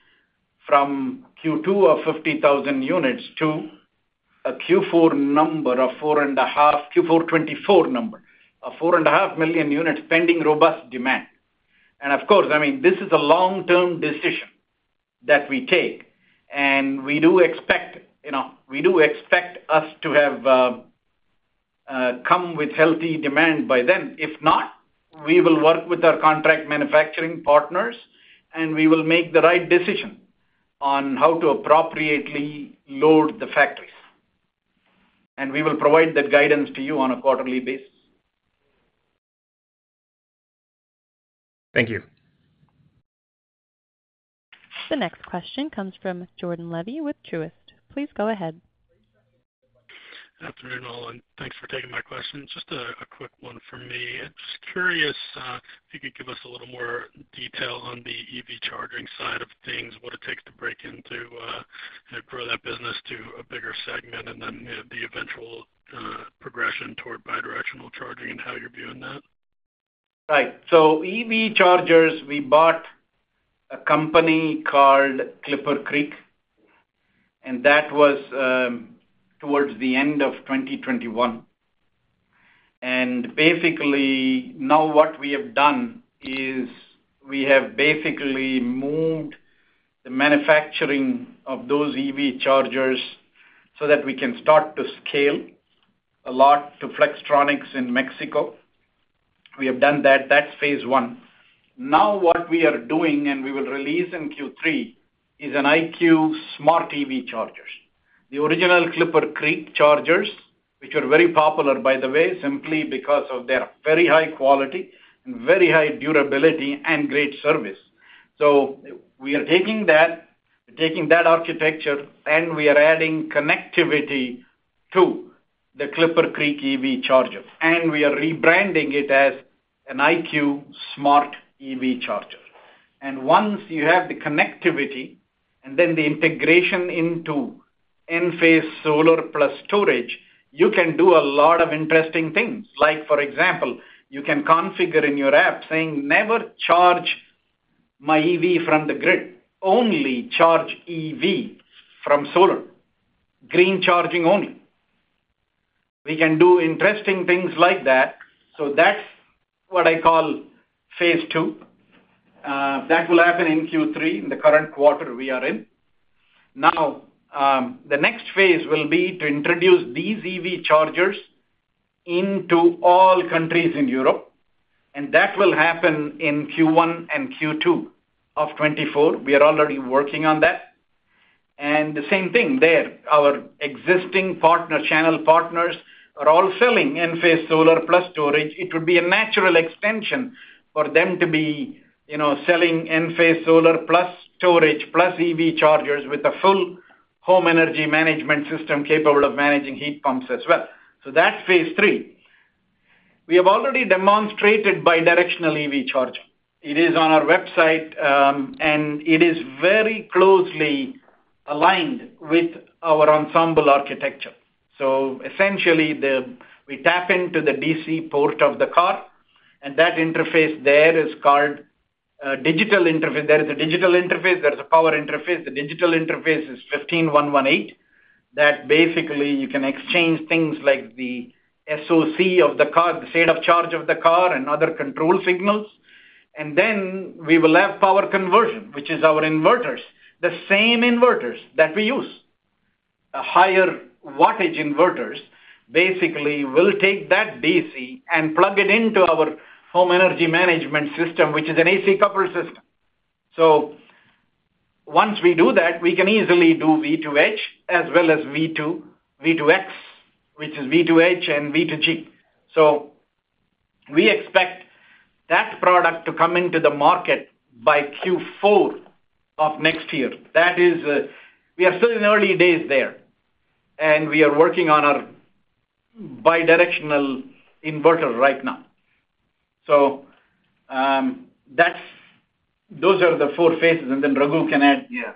from Q2 of 50,000 units to a Q4 number of 4.5-- Q4 2024 number, of 4.5 million units, pending robust demand. Of course, I mean, this is a long-term decision that we take, and we do expect, you know, we do expect us to have come with healthy demand by then. If not, we will work with our contract manufacturing partners, and we will make the right decision on how to appropriately load the factories. We will provide that guidance to you on a quarterly basis. Thank you. The next question comes from Jordan Levy with Truist. Please go ahead. Afternoon, all, and thanks for taking my question. Just a quick one for me. Just curious, if you could give us a little more detail on the EV charging side of things, what it takes to break into, and grow that business to a bigger segment, and then the eventual progression toward bidirectional charging and how you're viewing that. Right. EV chargers, we bought a company called ClipperCreek, and that was, towards the end of 2021. Basically, now what we have done is we have basically moved the manufacturing of those EV chargers so that we can start to scale a lot to Flex in Mexico. We have done that. That's phase I. Now, what we are doing, and we will release in Q3, is an IQ smart EV chargers. The original ClipperCreek chargers, which are very popular, by the way, simply because of their very high quality and very high durability and great service. We're taking that architecture, and we are adding connectivity to the ClipperCreek EV charger, and we are rebranding it as an IQ Smart EV charger. Once you have the connectivity and then the integration into Enphase Solar plus storage, you can do a lot of interesting things. Like, for example, you can configure in your app saying, "Never charge my EV from the grid. Only charge EV from solar, green charging only." We can do interesting things like that. That's what I call phase II. That will happen in Q3, in the current quarter we are in. The next phase will be to introduce these EV chargers into all countries in Europe, and that will happen in Q1 and Q2 of 2024. We are already working on that. The same thing there, our existing partner, channel partners, are all selling Enphase Solar plus storage. It would be a natural extension for them to be, you know, selling Enphase Solar plus storage, plus EV chargers with a full home energy management system capable of managing heat pumps as well. That's phase III. We have already demonstrated bidirectional EV charger. It is on our website, and it is very closely aligned with our Ensemble architecture. Essentially, we tap into the DC port of the car, and that interface there is called digital interface. There is a digital interface, there is a power interface. The digital interface is 15118, that basically you can exchange things like the SOC of the car, the state of charge of the car and other control signals. Then we will have power conversion, which is our inverters, the same inverters that we use. A higher wattage inverters, basically will take that DC and plug it into our home energy management system, which is an AC coupler system. Once we do that, we can easily do V2H as well as V2, V2X, which is V2H and V2G. We expect that product to come into the market by Q4 of next year. That is, we are still in the early days there, and we are working on our bidirectional inverter right now. Those are the four phases, and then Raghu can add. Yeah.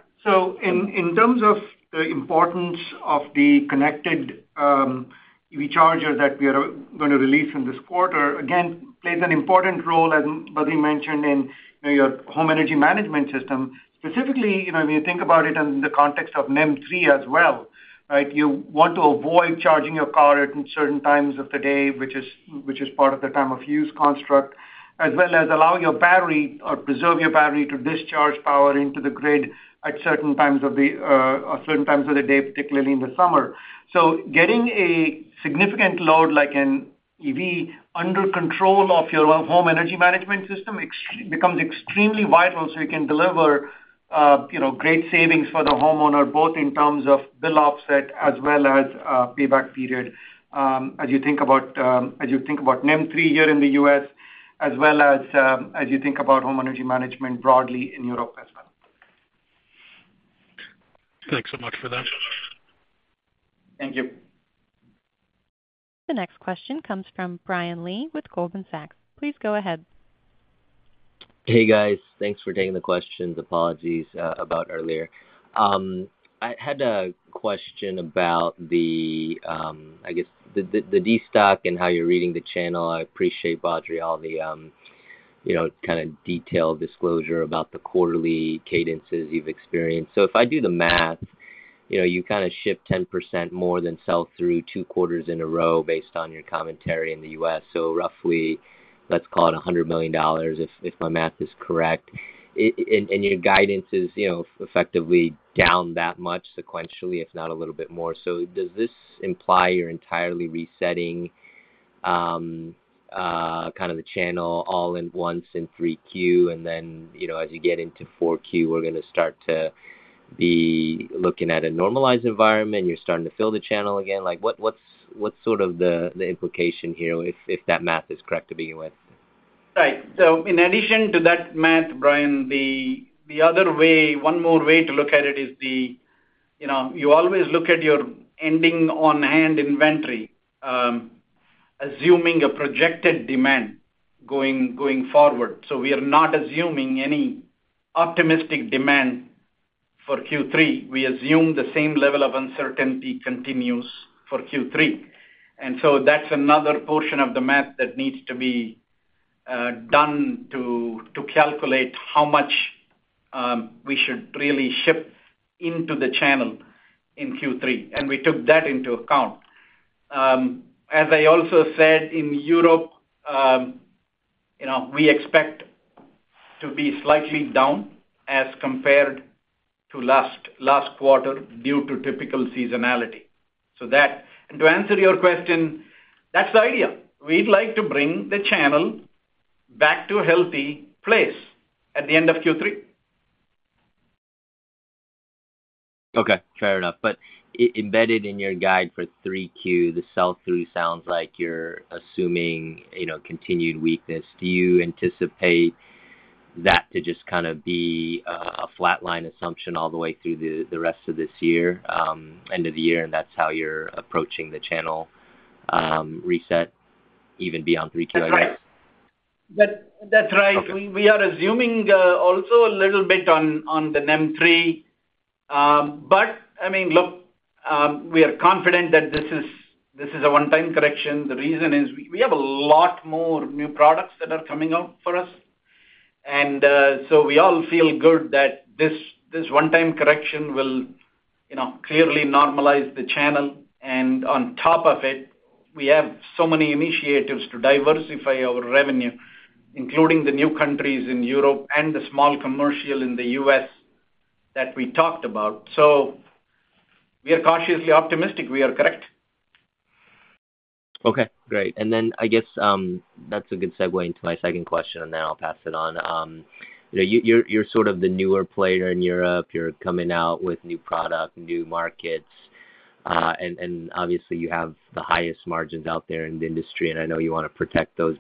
In, in terms of the importance of the connected EV charger that we are going to release in this quarter, again, plays an important role, as Badri mentioned, in, you know, your home energy management system. Specifically, you know, when you think about it in the context of NEM 3.0 as well, right? You want to avoid charging your car at certain times of the day, which is, which is part of the time of use construct, as well as allowing your battery or preserve your battery to discharge power into the grid at certain times of the, or certain times of the day, particularly in the summer. getting a significant load, like an EV, under control of your home energy management system, becomes extremely vital so you can deliver, you know, great savings for the homeowner, both in terms of bill offset as well as payback period, as you think about NEM 3.0 here in the US, as well as as you think about home energy management broadly in Europe as well. Thanks so much for that. Thank you. The next question comes from Brian Lee with Goldman Sachs. Please go ahead. Hey, guys. Thanks for taking the questions. Apologies, about earlier. I had a question about the, I guess, the, the, the destock and how you're reading the channel. I appreciate, Badri, all the, you know, kind of detailed disclosure about the quarterly cadences you've experienced. If I do the math, you know, you kinda ship 10% more than sell through two quarters in a row based on your commentary in the US. Roughly, let's call it $100 million, if, if my math is correct. Your guidance is, you know, effectively down that much sequentially, if not a little bit more. Does this imply you're entirely resetting, kind of the channel all at once in Q3? Then, you know, as you get into Q4, we're gonna start to be looking at a normalized environment, you're starting to fill the channel again. Like, what, what's, what's sort of the, the implication here if, if that math is correct, to begin with? Right. In addition to that math, Brian, the other way, one more way to look at it is, you know, you always look at your ending on-hand inventory, assuming a projected demand going forward. We are not assuming any optimistic demand for Q3. We assume the same level of uncertainty continues for Q3. That's another portion of the math that needs to be done to calculate how much we should really ship into the channel in Q3, and we took that into account. As I also said in Europe, you know, we expect to be slightly down as compared to last quarter due to typical seasonality. To answer your question, that's the idea. We'd like to bring the channel back to a healthy place at the end of Q3. Okay, fair enough. But embedded in your guide for Q3, the sell-through sounds like you're assuming, you know, continued weakness. Do you anticipate that to just kind of be a flatline assumption all the way through the rest of this year, end of the year, and that's how you're approaching the channel, reset even beyond Q3? That's right. That, that's right. Okay. We, we are assuming also a little bit on, on the NEM 3.0. I mean, look, we are confident that this is, this is a one-time correction. The reason is, we, we have a lot more new products that are coming out for us. We all feel good that this, this one-time correction will, you know, clearly normalize the channel. On top of it, we have so many initiatives to diversify our revenue, including the new countries in Europe and the small commercial in the U.S., that we talked about. We are cautiously optimistic we are correct. Okay, great. Then I guess that's a good segue into my second question, and then I'll pass it on. You know, you're, you're sort of the newer player in Europe. You're coming out with new product, new markets, and obviously you have the highest margins out there in the industry, and I know you wanna protect those.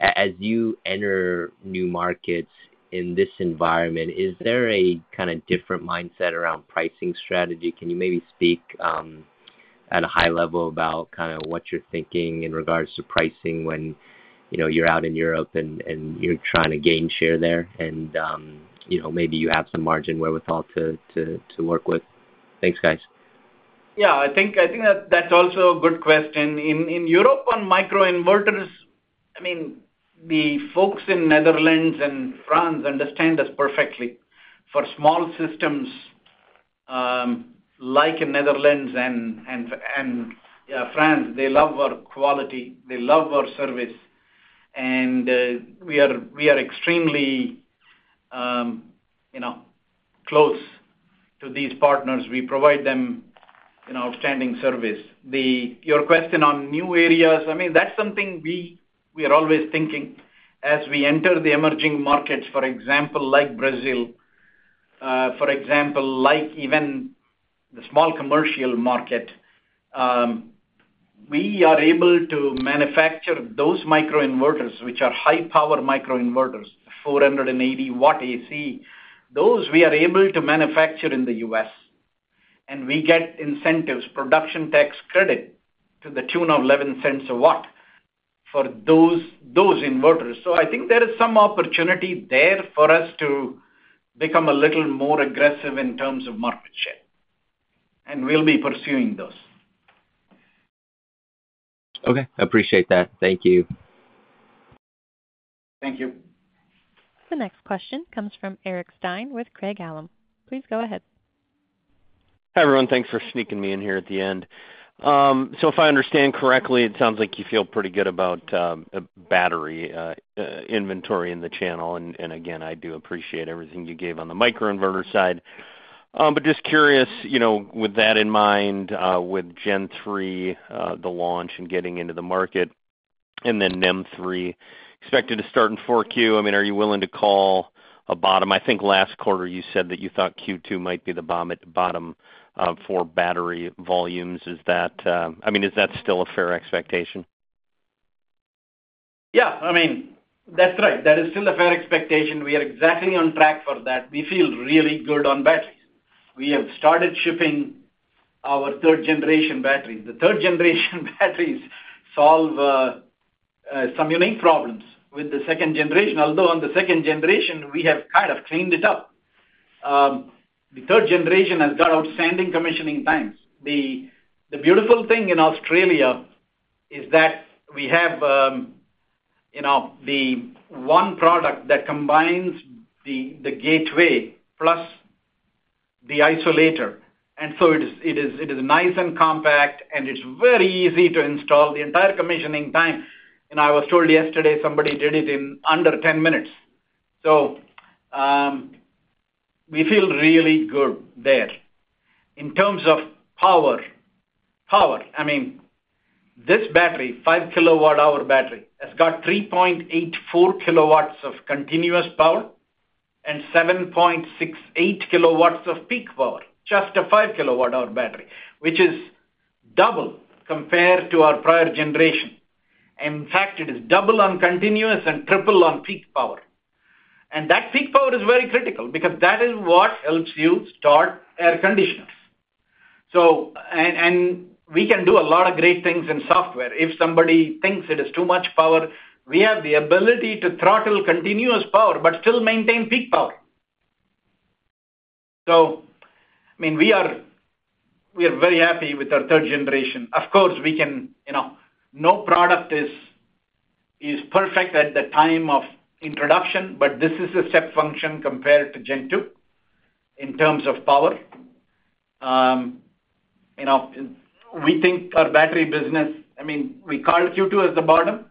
As you enter new markets in this environment, is there a kind of different mindset around pricing strategy? Can you maybe speak at a high level about kind of what you're thinking in regards to pricing when, you know, you're out in Europe and you're trying to gain share there, and, you know, maybe you have some margin wherewithal to, to work with? Thanks, guys. Yeah, I think that's also a good question. In, in Europe, on microinverters, I mean, the folks in Netherlands and France understand us perfectly. For small systems, like in Netherlands and, yeah, France, they love our quality, they love our service, and, we are extremely, you know, close to these partners. We provide them, you know, outstanding service. Your question on new areas, I mean, that's something we, we are always thinking as we enter the emerging markets, for example, like Brazil, for example, like even the small commercial market. We are able to manufacture those microinverters, which are high-power microinverters, 480 W AC. Those we are able to manufacture in the US, and we get incentives, production tax credit, to the tune of $0.11 a watt for those inverters. I think there is some opportunity there for us to become a little more aggressive in terms of market share, and we'll be pursuing those. Okay, I appreciate that. Thank you. Thank you. The next question comes from Eric Stine with Craig-Hallum. Please go ahead. Hi, everyone. Thanks for sneaking me in here at the end. If I understand correctly, it sounds like you feel pretty good about battery inventory in the channel, and, and again, I do appreciate everything you gave on the microinverter side. Just curious, you know, with that in mind, with Gen 3 the launch and getting into the market, and then NEM 3.0 expected to start in Q4. I mean, are you willing to call a bottom? I think last quarter you said that you thought Q2 might be the bottom, bottom for battery volumes. I mean, is that still a fair expectation? Yeah, I mean, that's right. That is still a fair expectation. We are exactly on track for that. We feel really good on batteries. We have started shipping our 3rd gen batteries. The 3rd-gen batteries solve some unique problems with the 2nd generation, although on the 2nd generation, we have kind of cleaned it up. The 3rd generation has got outstanding commissioning times. The beautiful thing in Australia is that we have the one product that combines the gateway plus the isolator, and so it is, it is, it is nice and compact, and it's very easy to install. The entire commissioning time, and I was told yesterday, somebody did it in under 10 minutes. We feel really good there. In terms of power, power, I mean, this battery, 5 kWh battery, has got 3.84 kW of continuous power and 7.68 kW of peak power. Just a 5 kWh battery, which is double compared to our prior generation. In fact, it is double on continuous and triple on peak power. That peak power is very critical because that is what helps you start air conditioners. We can do a lot of great things in software. If somebody thinks it is too much power, we have the ability to throttle continuous power, but still maintain peak power. I mean, we are, we are very happy with our third generation. Of course, we can... You know, no product is, is perfect at the time of introduction, but this is a step function compared to 2nd generation in terms of power. You know, we think our battery business, I mean, we called Q2 as the bottom.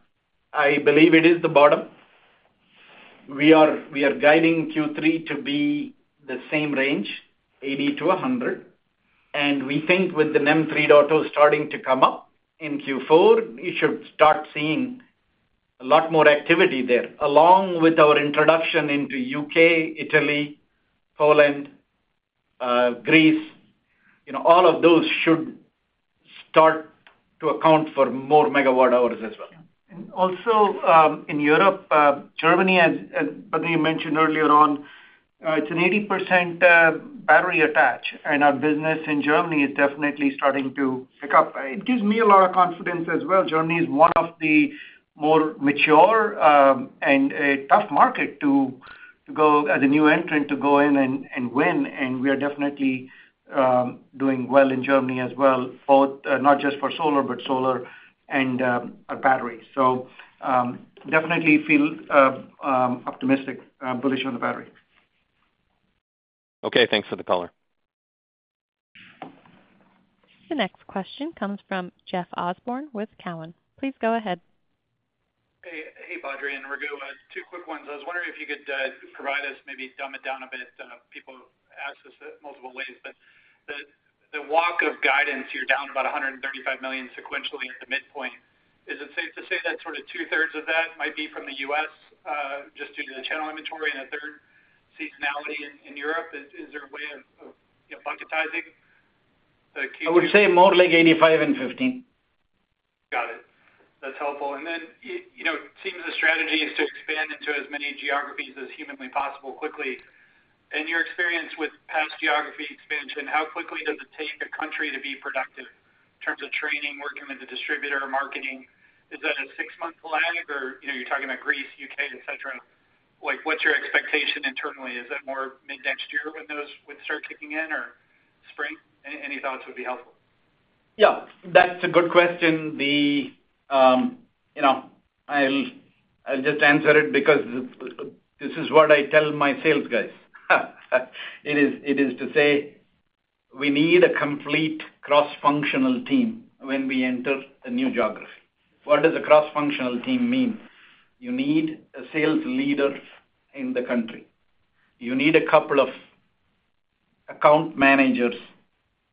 I believe it is the bottom. We are guiding Q3 to be the same range, 80%-100%, and we think with the NEM 3.0 starting to come up in Q4, we should start seeing. A lot more activity there, along with our introduction into U.K., Italy, Poland, Greece, you know, all of those should start to account for more megawatt hours as well. Also, in Europe, Germany, as Badri mentioned earlier on, it's an 80% battery attach, and our business in Germany is definitely starting to pick up. It gives me a lot of confidence as well. Germany is one of the more mature, and a tough market to go as a new entrant, to go in and win. We are definitely doing well in Germany as well, both not just for solar, but solar and our batteries. Definitely feel optimistic, bullish on the battery. Okay, thanks for the call. The next question comes from Jeff Osborne with Cowen. Please go ahead. Hey, hey, Badri and Raghu. Two quick ones. I was wondering if you could provide us, maybe dumb it down a bit. People have asked us multiple ways, but the, the walk of guidance, you're down about $135 million sequentially at the midpoint. Is it safe to say that sort of two-thirds of that might be from the US, just due to the channel inventory and a third seasonality in, in Europe? Is, is there a way of, of, you know, bucketizing the Q-? I would say more like 85/15. Got it. That's helpful. Then, you know, it seems the strategy is to expand into as many geographies as humanly possible quickly. In your experience with past geography expansion, how quickly does it take a country to be productive in terms of training, working with the distributor, marketing? Is that a six-month lag or, you know, you're talking about Greece, U.K., et cetera? Like, what's your expectation internally? Is that more mid-next year when those would start kicking in, or spring? Any, any thoughts would be helpful. Yeah, that's a good question. The, you know, I'll, I'll just answer it because this is what I tell my sales guys. It is, it is to say, we need a complete cross-functional team when we enter a new geography. What does a cross-functional team mean? You need a sales leader in the country. You need a couple of account managers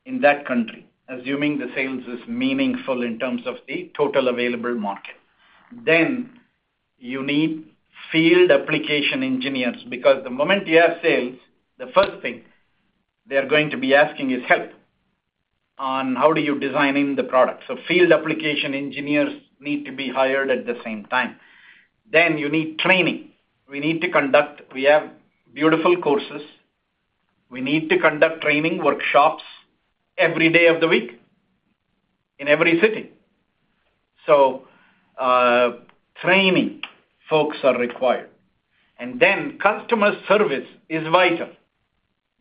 in that country, assuming the sales is meaningful in terms of the total available market. You need field application engineers, because the moment you have sales, the first thing they are going to be asking is, "Help," on how do you design in the product. So field application engineers need to be hired at the same time. You need training. We need to conduct. We have beautiful courses. We need to conduct training workshops every day of the week in every city. Training folks are required. Customer service is vital.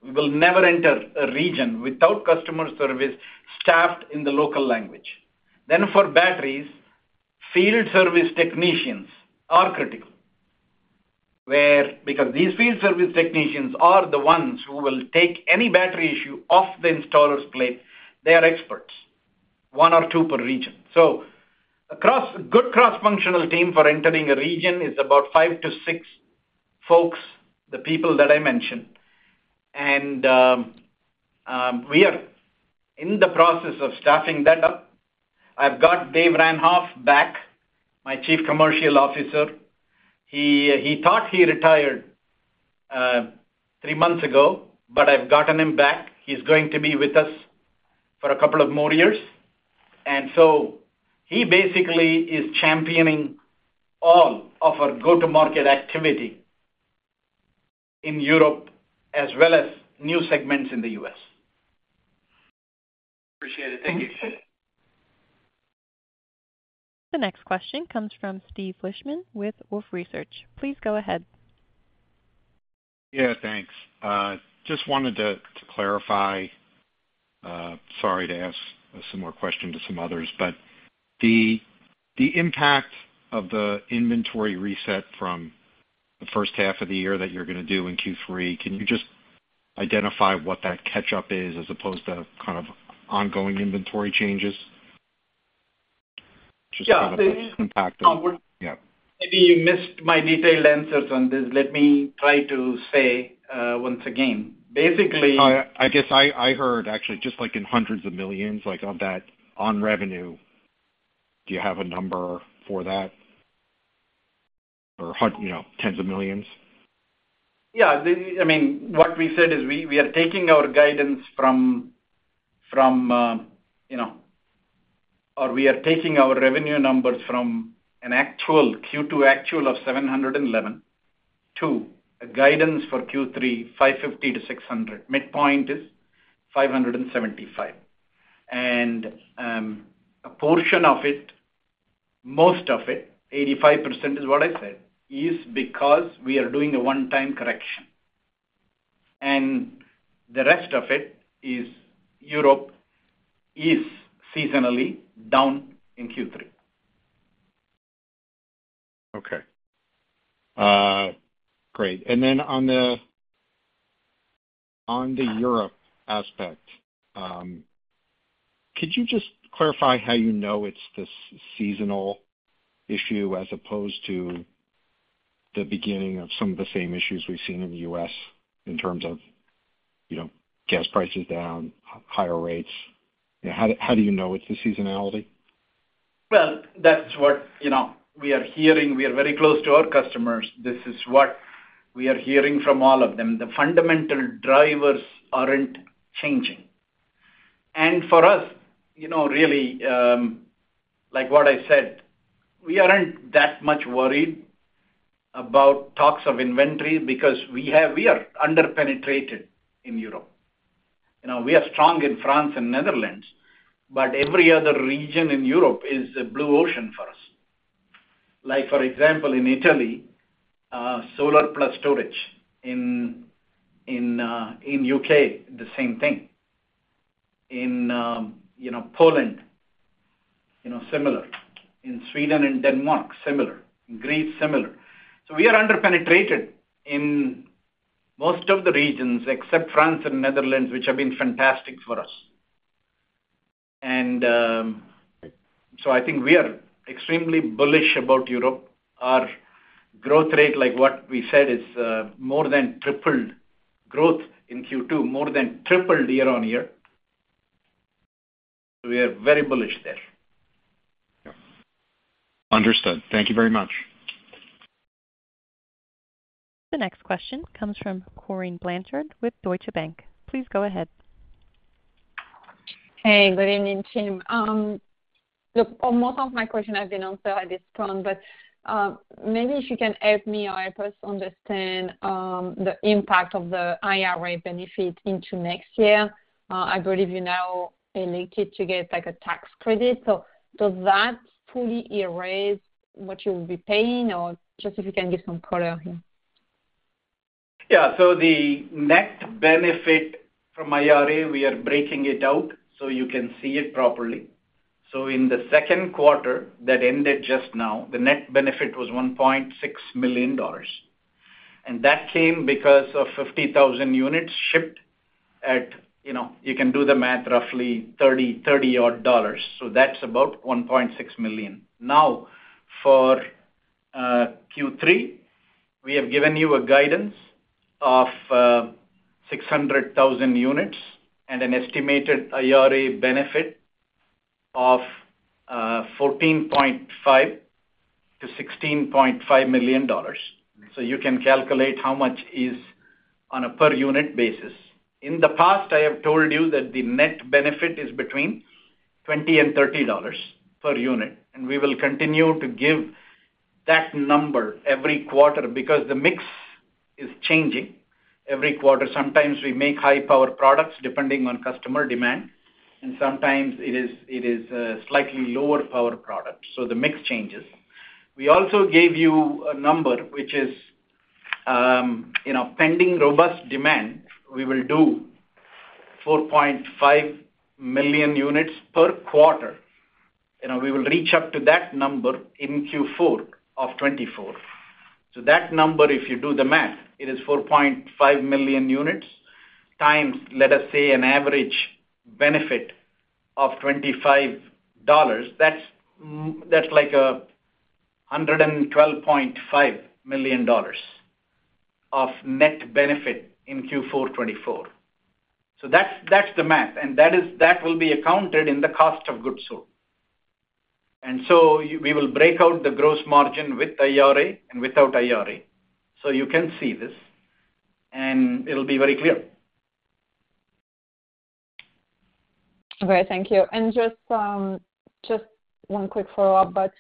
We will never enter a region without customer service staffed in the local language. For batteries, field service technicians are critical. Because these field service technicians are the ones who will take any battery issue off the installer's plate, they are experts, one or two per region. A good cross-functional team for entering a region is about five to six folks, the people that I mentioned. We are in the process of staffing that up. I've got Dave Ranhoff back, my Chief Commercial Officer. He thought he retired three months ago, but I've gotten him back. He's going to be with us for a couple of more years, so he basically is championing all of our go-to-market activity in Europe as well as new segments in the U.S. Appreciate it. Thank you. The next question comes from Steve Fleishman with Wolfe Research. Please go ahead. Yeah, thanks. Just wanted to, to clarify, sorry to ask some more questions to some others, but the, the impact of the inventory reset from the first half of the year that you're gonna do in Q3, can you just identify what that catch-up is, as opposed to kind of ongoing inventory changes? Yeah. Just the impact of... Yeah. Maybe you missed my detailed answers on this. Let me try to say, once again. I, I guess I, I heard actually just like in hundreds of million dollars, like on that, on revenue. Do you have a number for that? Or you know, tens of million dollars. Yeah. The, I mean, what we said is we, we are taking our guidance from, from, you know, or we are taking our revenue numbers from an actual Q2 actual of $711 million to a guidance for Q3, $550 million-$600 million, midpoint is $575 million. A portion of it, most of it, 85% is what I said, is because we are doing a one-time correction, and the rest of it is Europe is seasonally down in Q3. Okay. Great. Then on the, on the Europe aspect, could you just clarify how you know it's this seasonal issue as opposed to?... the beginning of some of the same issues we've seen in the U.S. in terms of, you know, gas prices down, higher rates? How, how do you know it's the seasonality? Well, that's what, you know, we are hearing. We are very close to our customers. This is what we are hearing from all of them. The fundamental drivers aren't changing. For us, you know, really, like what I said, we aren't that much worried about talks of inventory because we are under-penetrated in Europe. You know, we are strong in France and Netherlands, but every other region in Europe is a blue ocean for us. Like, for example, in Italy, solar plus storage. In U.K., the same thing. In Poland, similar. In Sweden and Denmark, similar. In Greece, similar. We are under-penetrated in most of the regions, except France and Netherlands, which have been fantastic for us. I think we are extremely bullish about Europe. Our growth rate, like what we said, is more than tripled growth in Q2, more than tripled year-on-year. We are very bullish there. Yeah. Understood. Thank you very much. The next question comes from Corinne Blanchard with Deutsche Bank. Please go ahead. Hey, good evening, team. Look, most of my question has been answered at this point, but maybe if you can help me or help us understand the impact of the IRA benefit into next year. I believe you now elected to get, like, a tax credit. Does that fully erase what you will be paying, or just if you can give some color here? Yeah. The net benefit from IRA, we are breaking it out so you can see it properly. In the second quarter that ended just now, the net benefit was $1.6 million. That came because of 50,000 units shipped at, you know, you can do the math, roughly $30 odd dollars, so that's about $1.6 million. For Q3, we have given you a guidance of 600,000 units and an estimated IRA benefit of $14.5 million-$16.5 million. You can calculate how much is on a per unit basis. In the past, I have told you that the net benefit is between $20 and $30 per unit, and we will continue to give that number every quarter because the mix is changing every quarter. Sometimes we make high-power products, depending on customer demand, and sometimes it is, it is, slightly lower power products, so the mix changes. We also gave you a number which is, you know, pending robust demand, we will do 4.5 million units per quarter, and we will reach up to that number in Q4 of 2024. That number, if you do the math, it is 4.5 million units, times, let us say, an average benefit of $25. That's, that's like $112.5 million of net benefit in Q4 2024. That's, that's the math, that will be accounted in the cost of goods sold. We will break out the gross margin with IRA and without IRA, so you can see this, and it'll be very clear. Okay, thank you. Just one quick follow-up,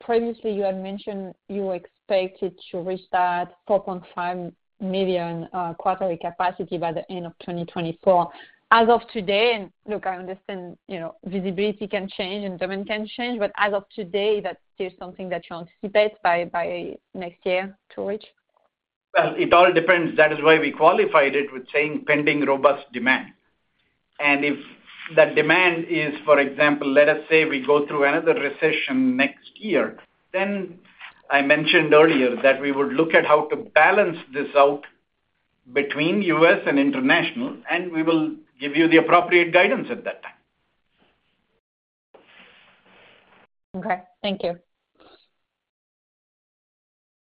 previously you had mentioned you expected to reach that 4.5 million quarterly capacity by the end of 2024. As of today, look, I understand, you know, visibility can change and demand can change, but as of today, that's still something that you anticipate by, by next year to reach? Well, it all depends. That is why we qualified it with saying pending robust demand. If that demand is, for example, let us say we go through another recession next year, then I mentioned earlier that we would look at how to balance this out between U.S. and international, and we will give you the appropriate guidance at that time. Okay, thank you.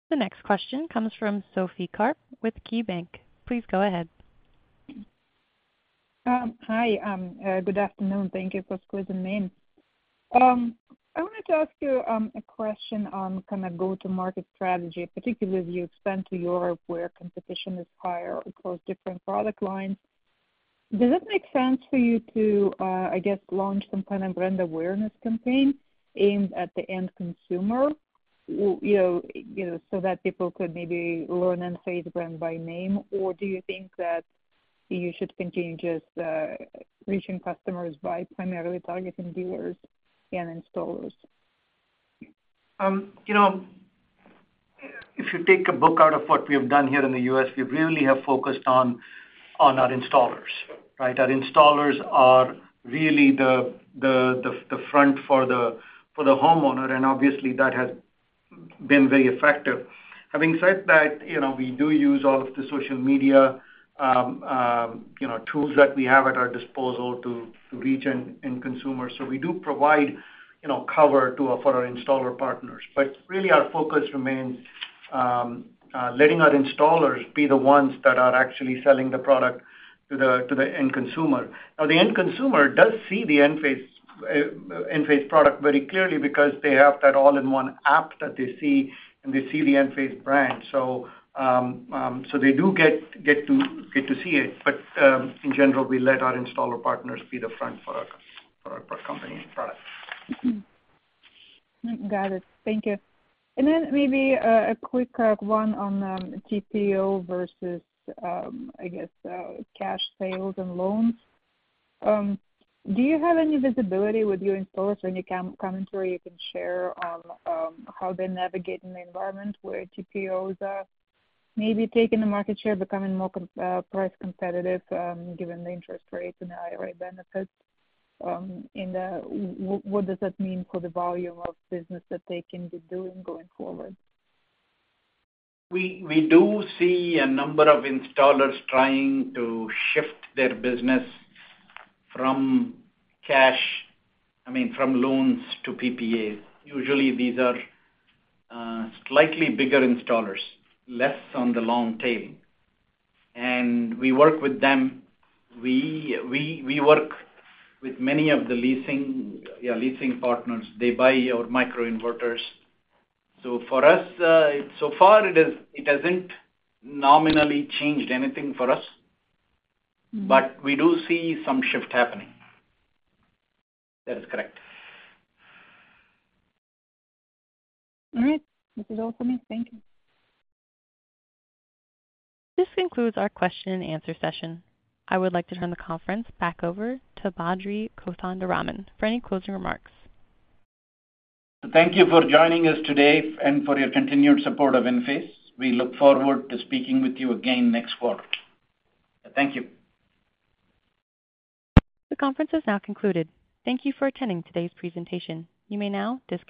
The next question comes from Sophie Karp with KeyBank. Please go ahead. Hi, good afternoon. Thank you for squeezing me in. I wanted to ask you a question on kind of go-to-market strategy, particularly as you expand to Europe, where competition is higher across different product lines. Does it make sense for you to, I guess, launch some kind of brand awareness campaign aimed at the end consumer, you know, you know, so that people could maybe learn and say the brand by name? Or do you think that you should continue just reaching customers by primarily targeting dealers and installers? You know, if you take a book out of what we have done here in the U.S., we really have focused on, on our installers, right? Our installers are really the, the, the, the front for the, for the homeowner, and obviously that has been very effective. Having said that, you know, we do use all of the social media, you know, tools that we have at our disposal to, to reach end-end consumers. We do provide, you know, cover for our installer partners. Really our focus remains, letting our installers be the ones that are actually selling the product to the, to the end consumer. The end consumer does see the Enphase product very clearly because they have that all-in-one app that they see, and they see the Enphase brand. They do get, get to, get to see it, but in general, we let our installer partners be the front for our, for our company and product. Mm-hmm. Got it. Thank you. Maybe a quick one on TPO versus I guess cash sales and loans. Do you have any visibility with your installers, any commentary you can share on, how they're navigating the environment where TPOs are maybe taking the market share, becoming more price competitive, given the interest rates and the IRA benefits, and, what, what does that mean for the volume of business that they can be doing going forward? We do see a number of installers trying to shift their business from cash, I mean, from loans to PPAs. Usually, these are, slightly bigger installers, less on the long tail. We work with them. We work with many of the leasing, yeah, leasing partners. They buy our microinverters. For us, so far it is, it hasn't nominally changed anything for us. Mm-hmm. We do see some shift happening. That is correct. All right. This is all for me. Thank you. This concludes our question and answer session. I would like to turn the conference back over to Badri Kothandaraman for any closing remarks. Thank you for joining us today and for your continued support of Enphase. We look forward to speaking with you again next quarter. Thank you. The conference is now concluded. Thank you for attending today's presentation. You may now disconnect.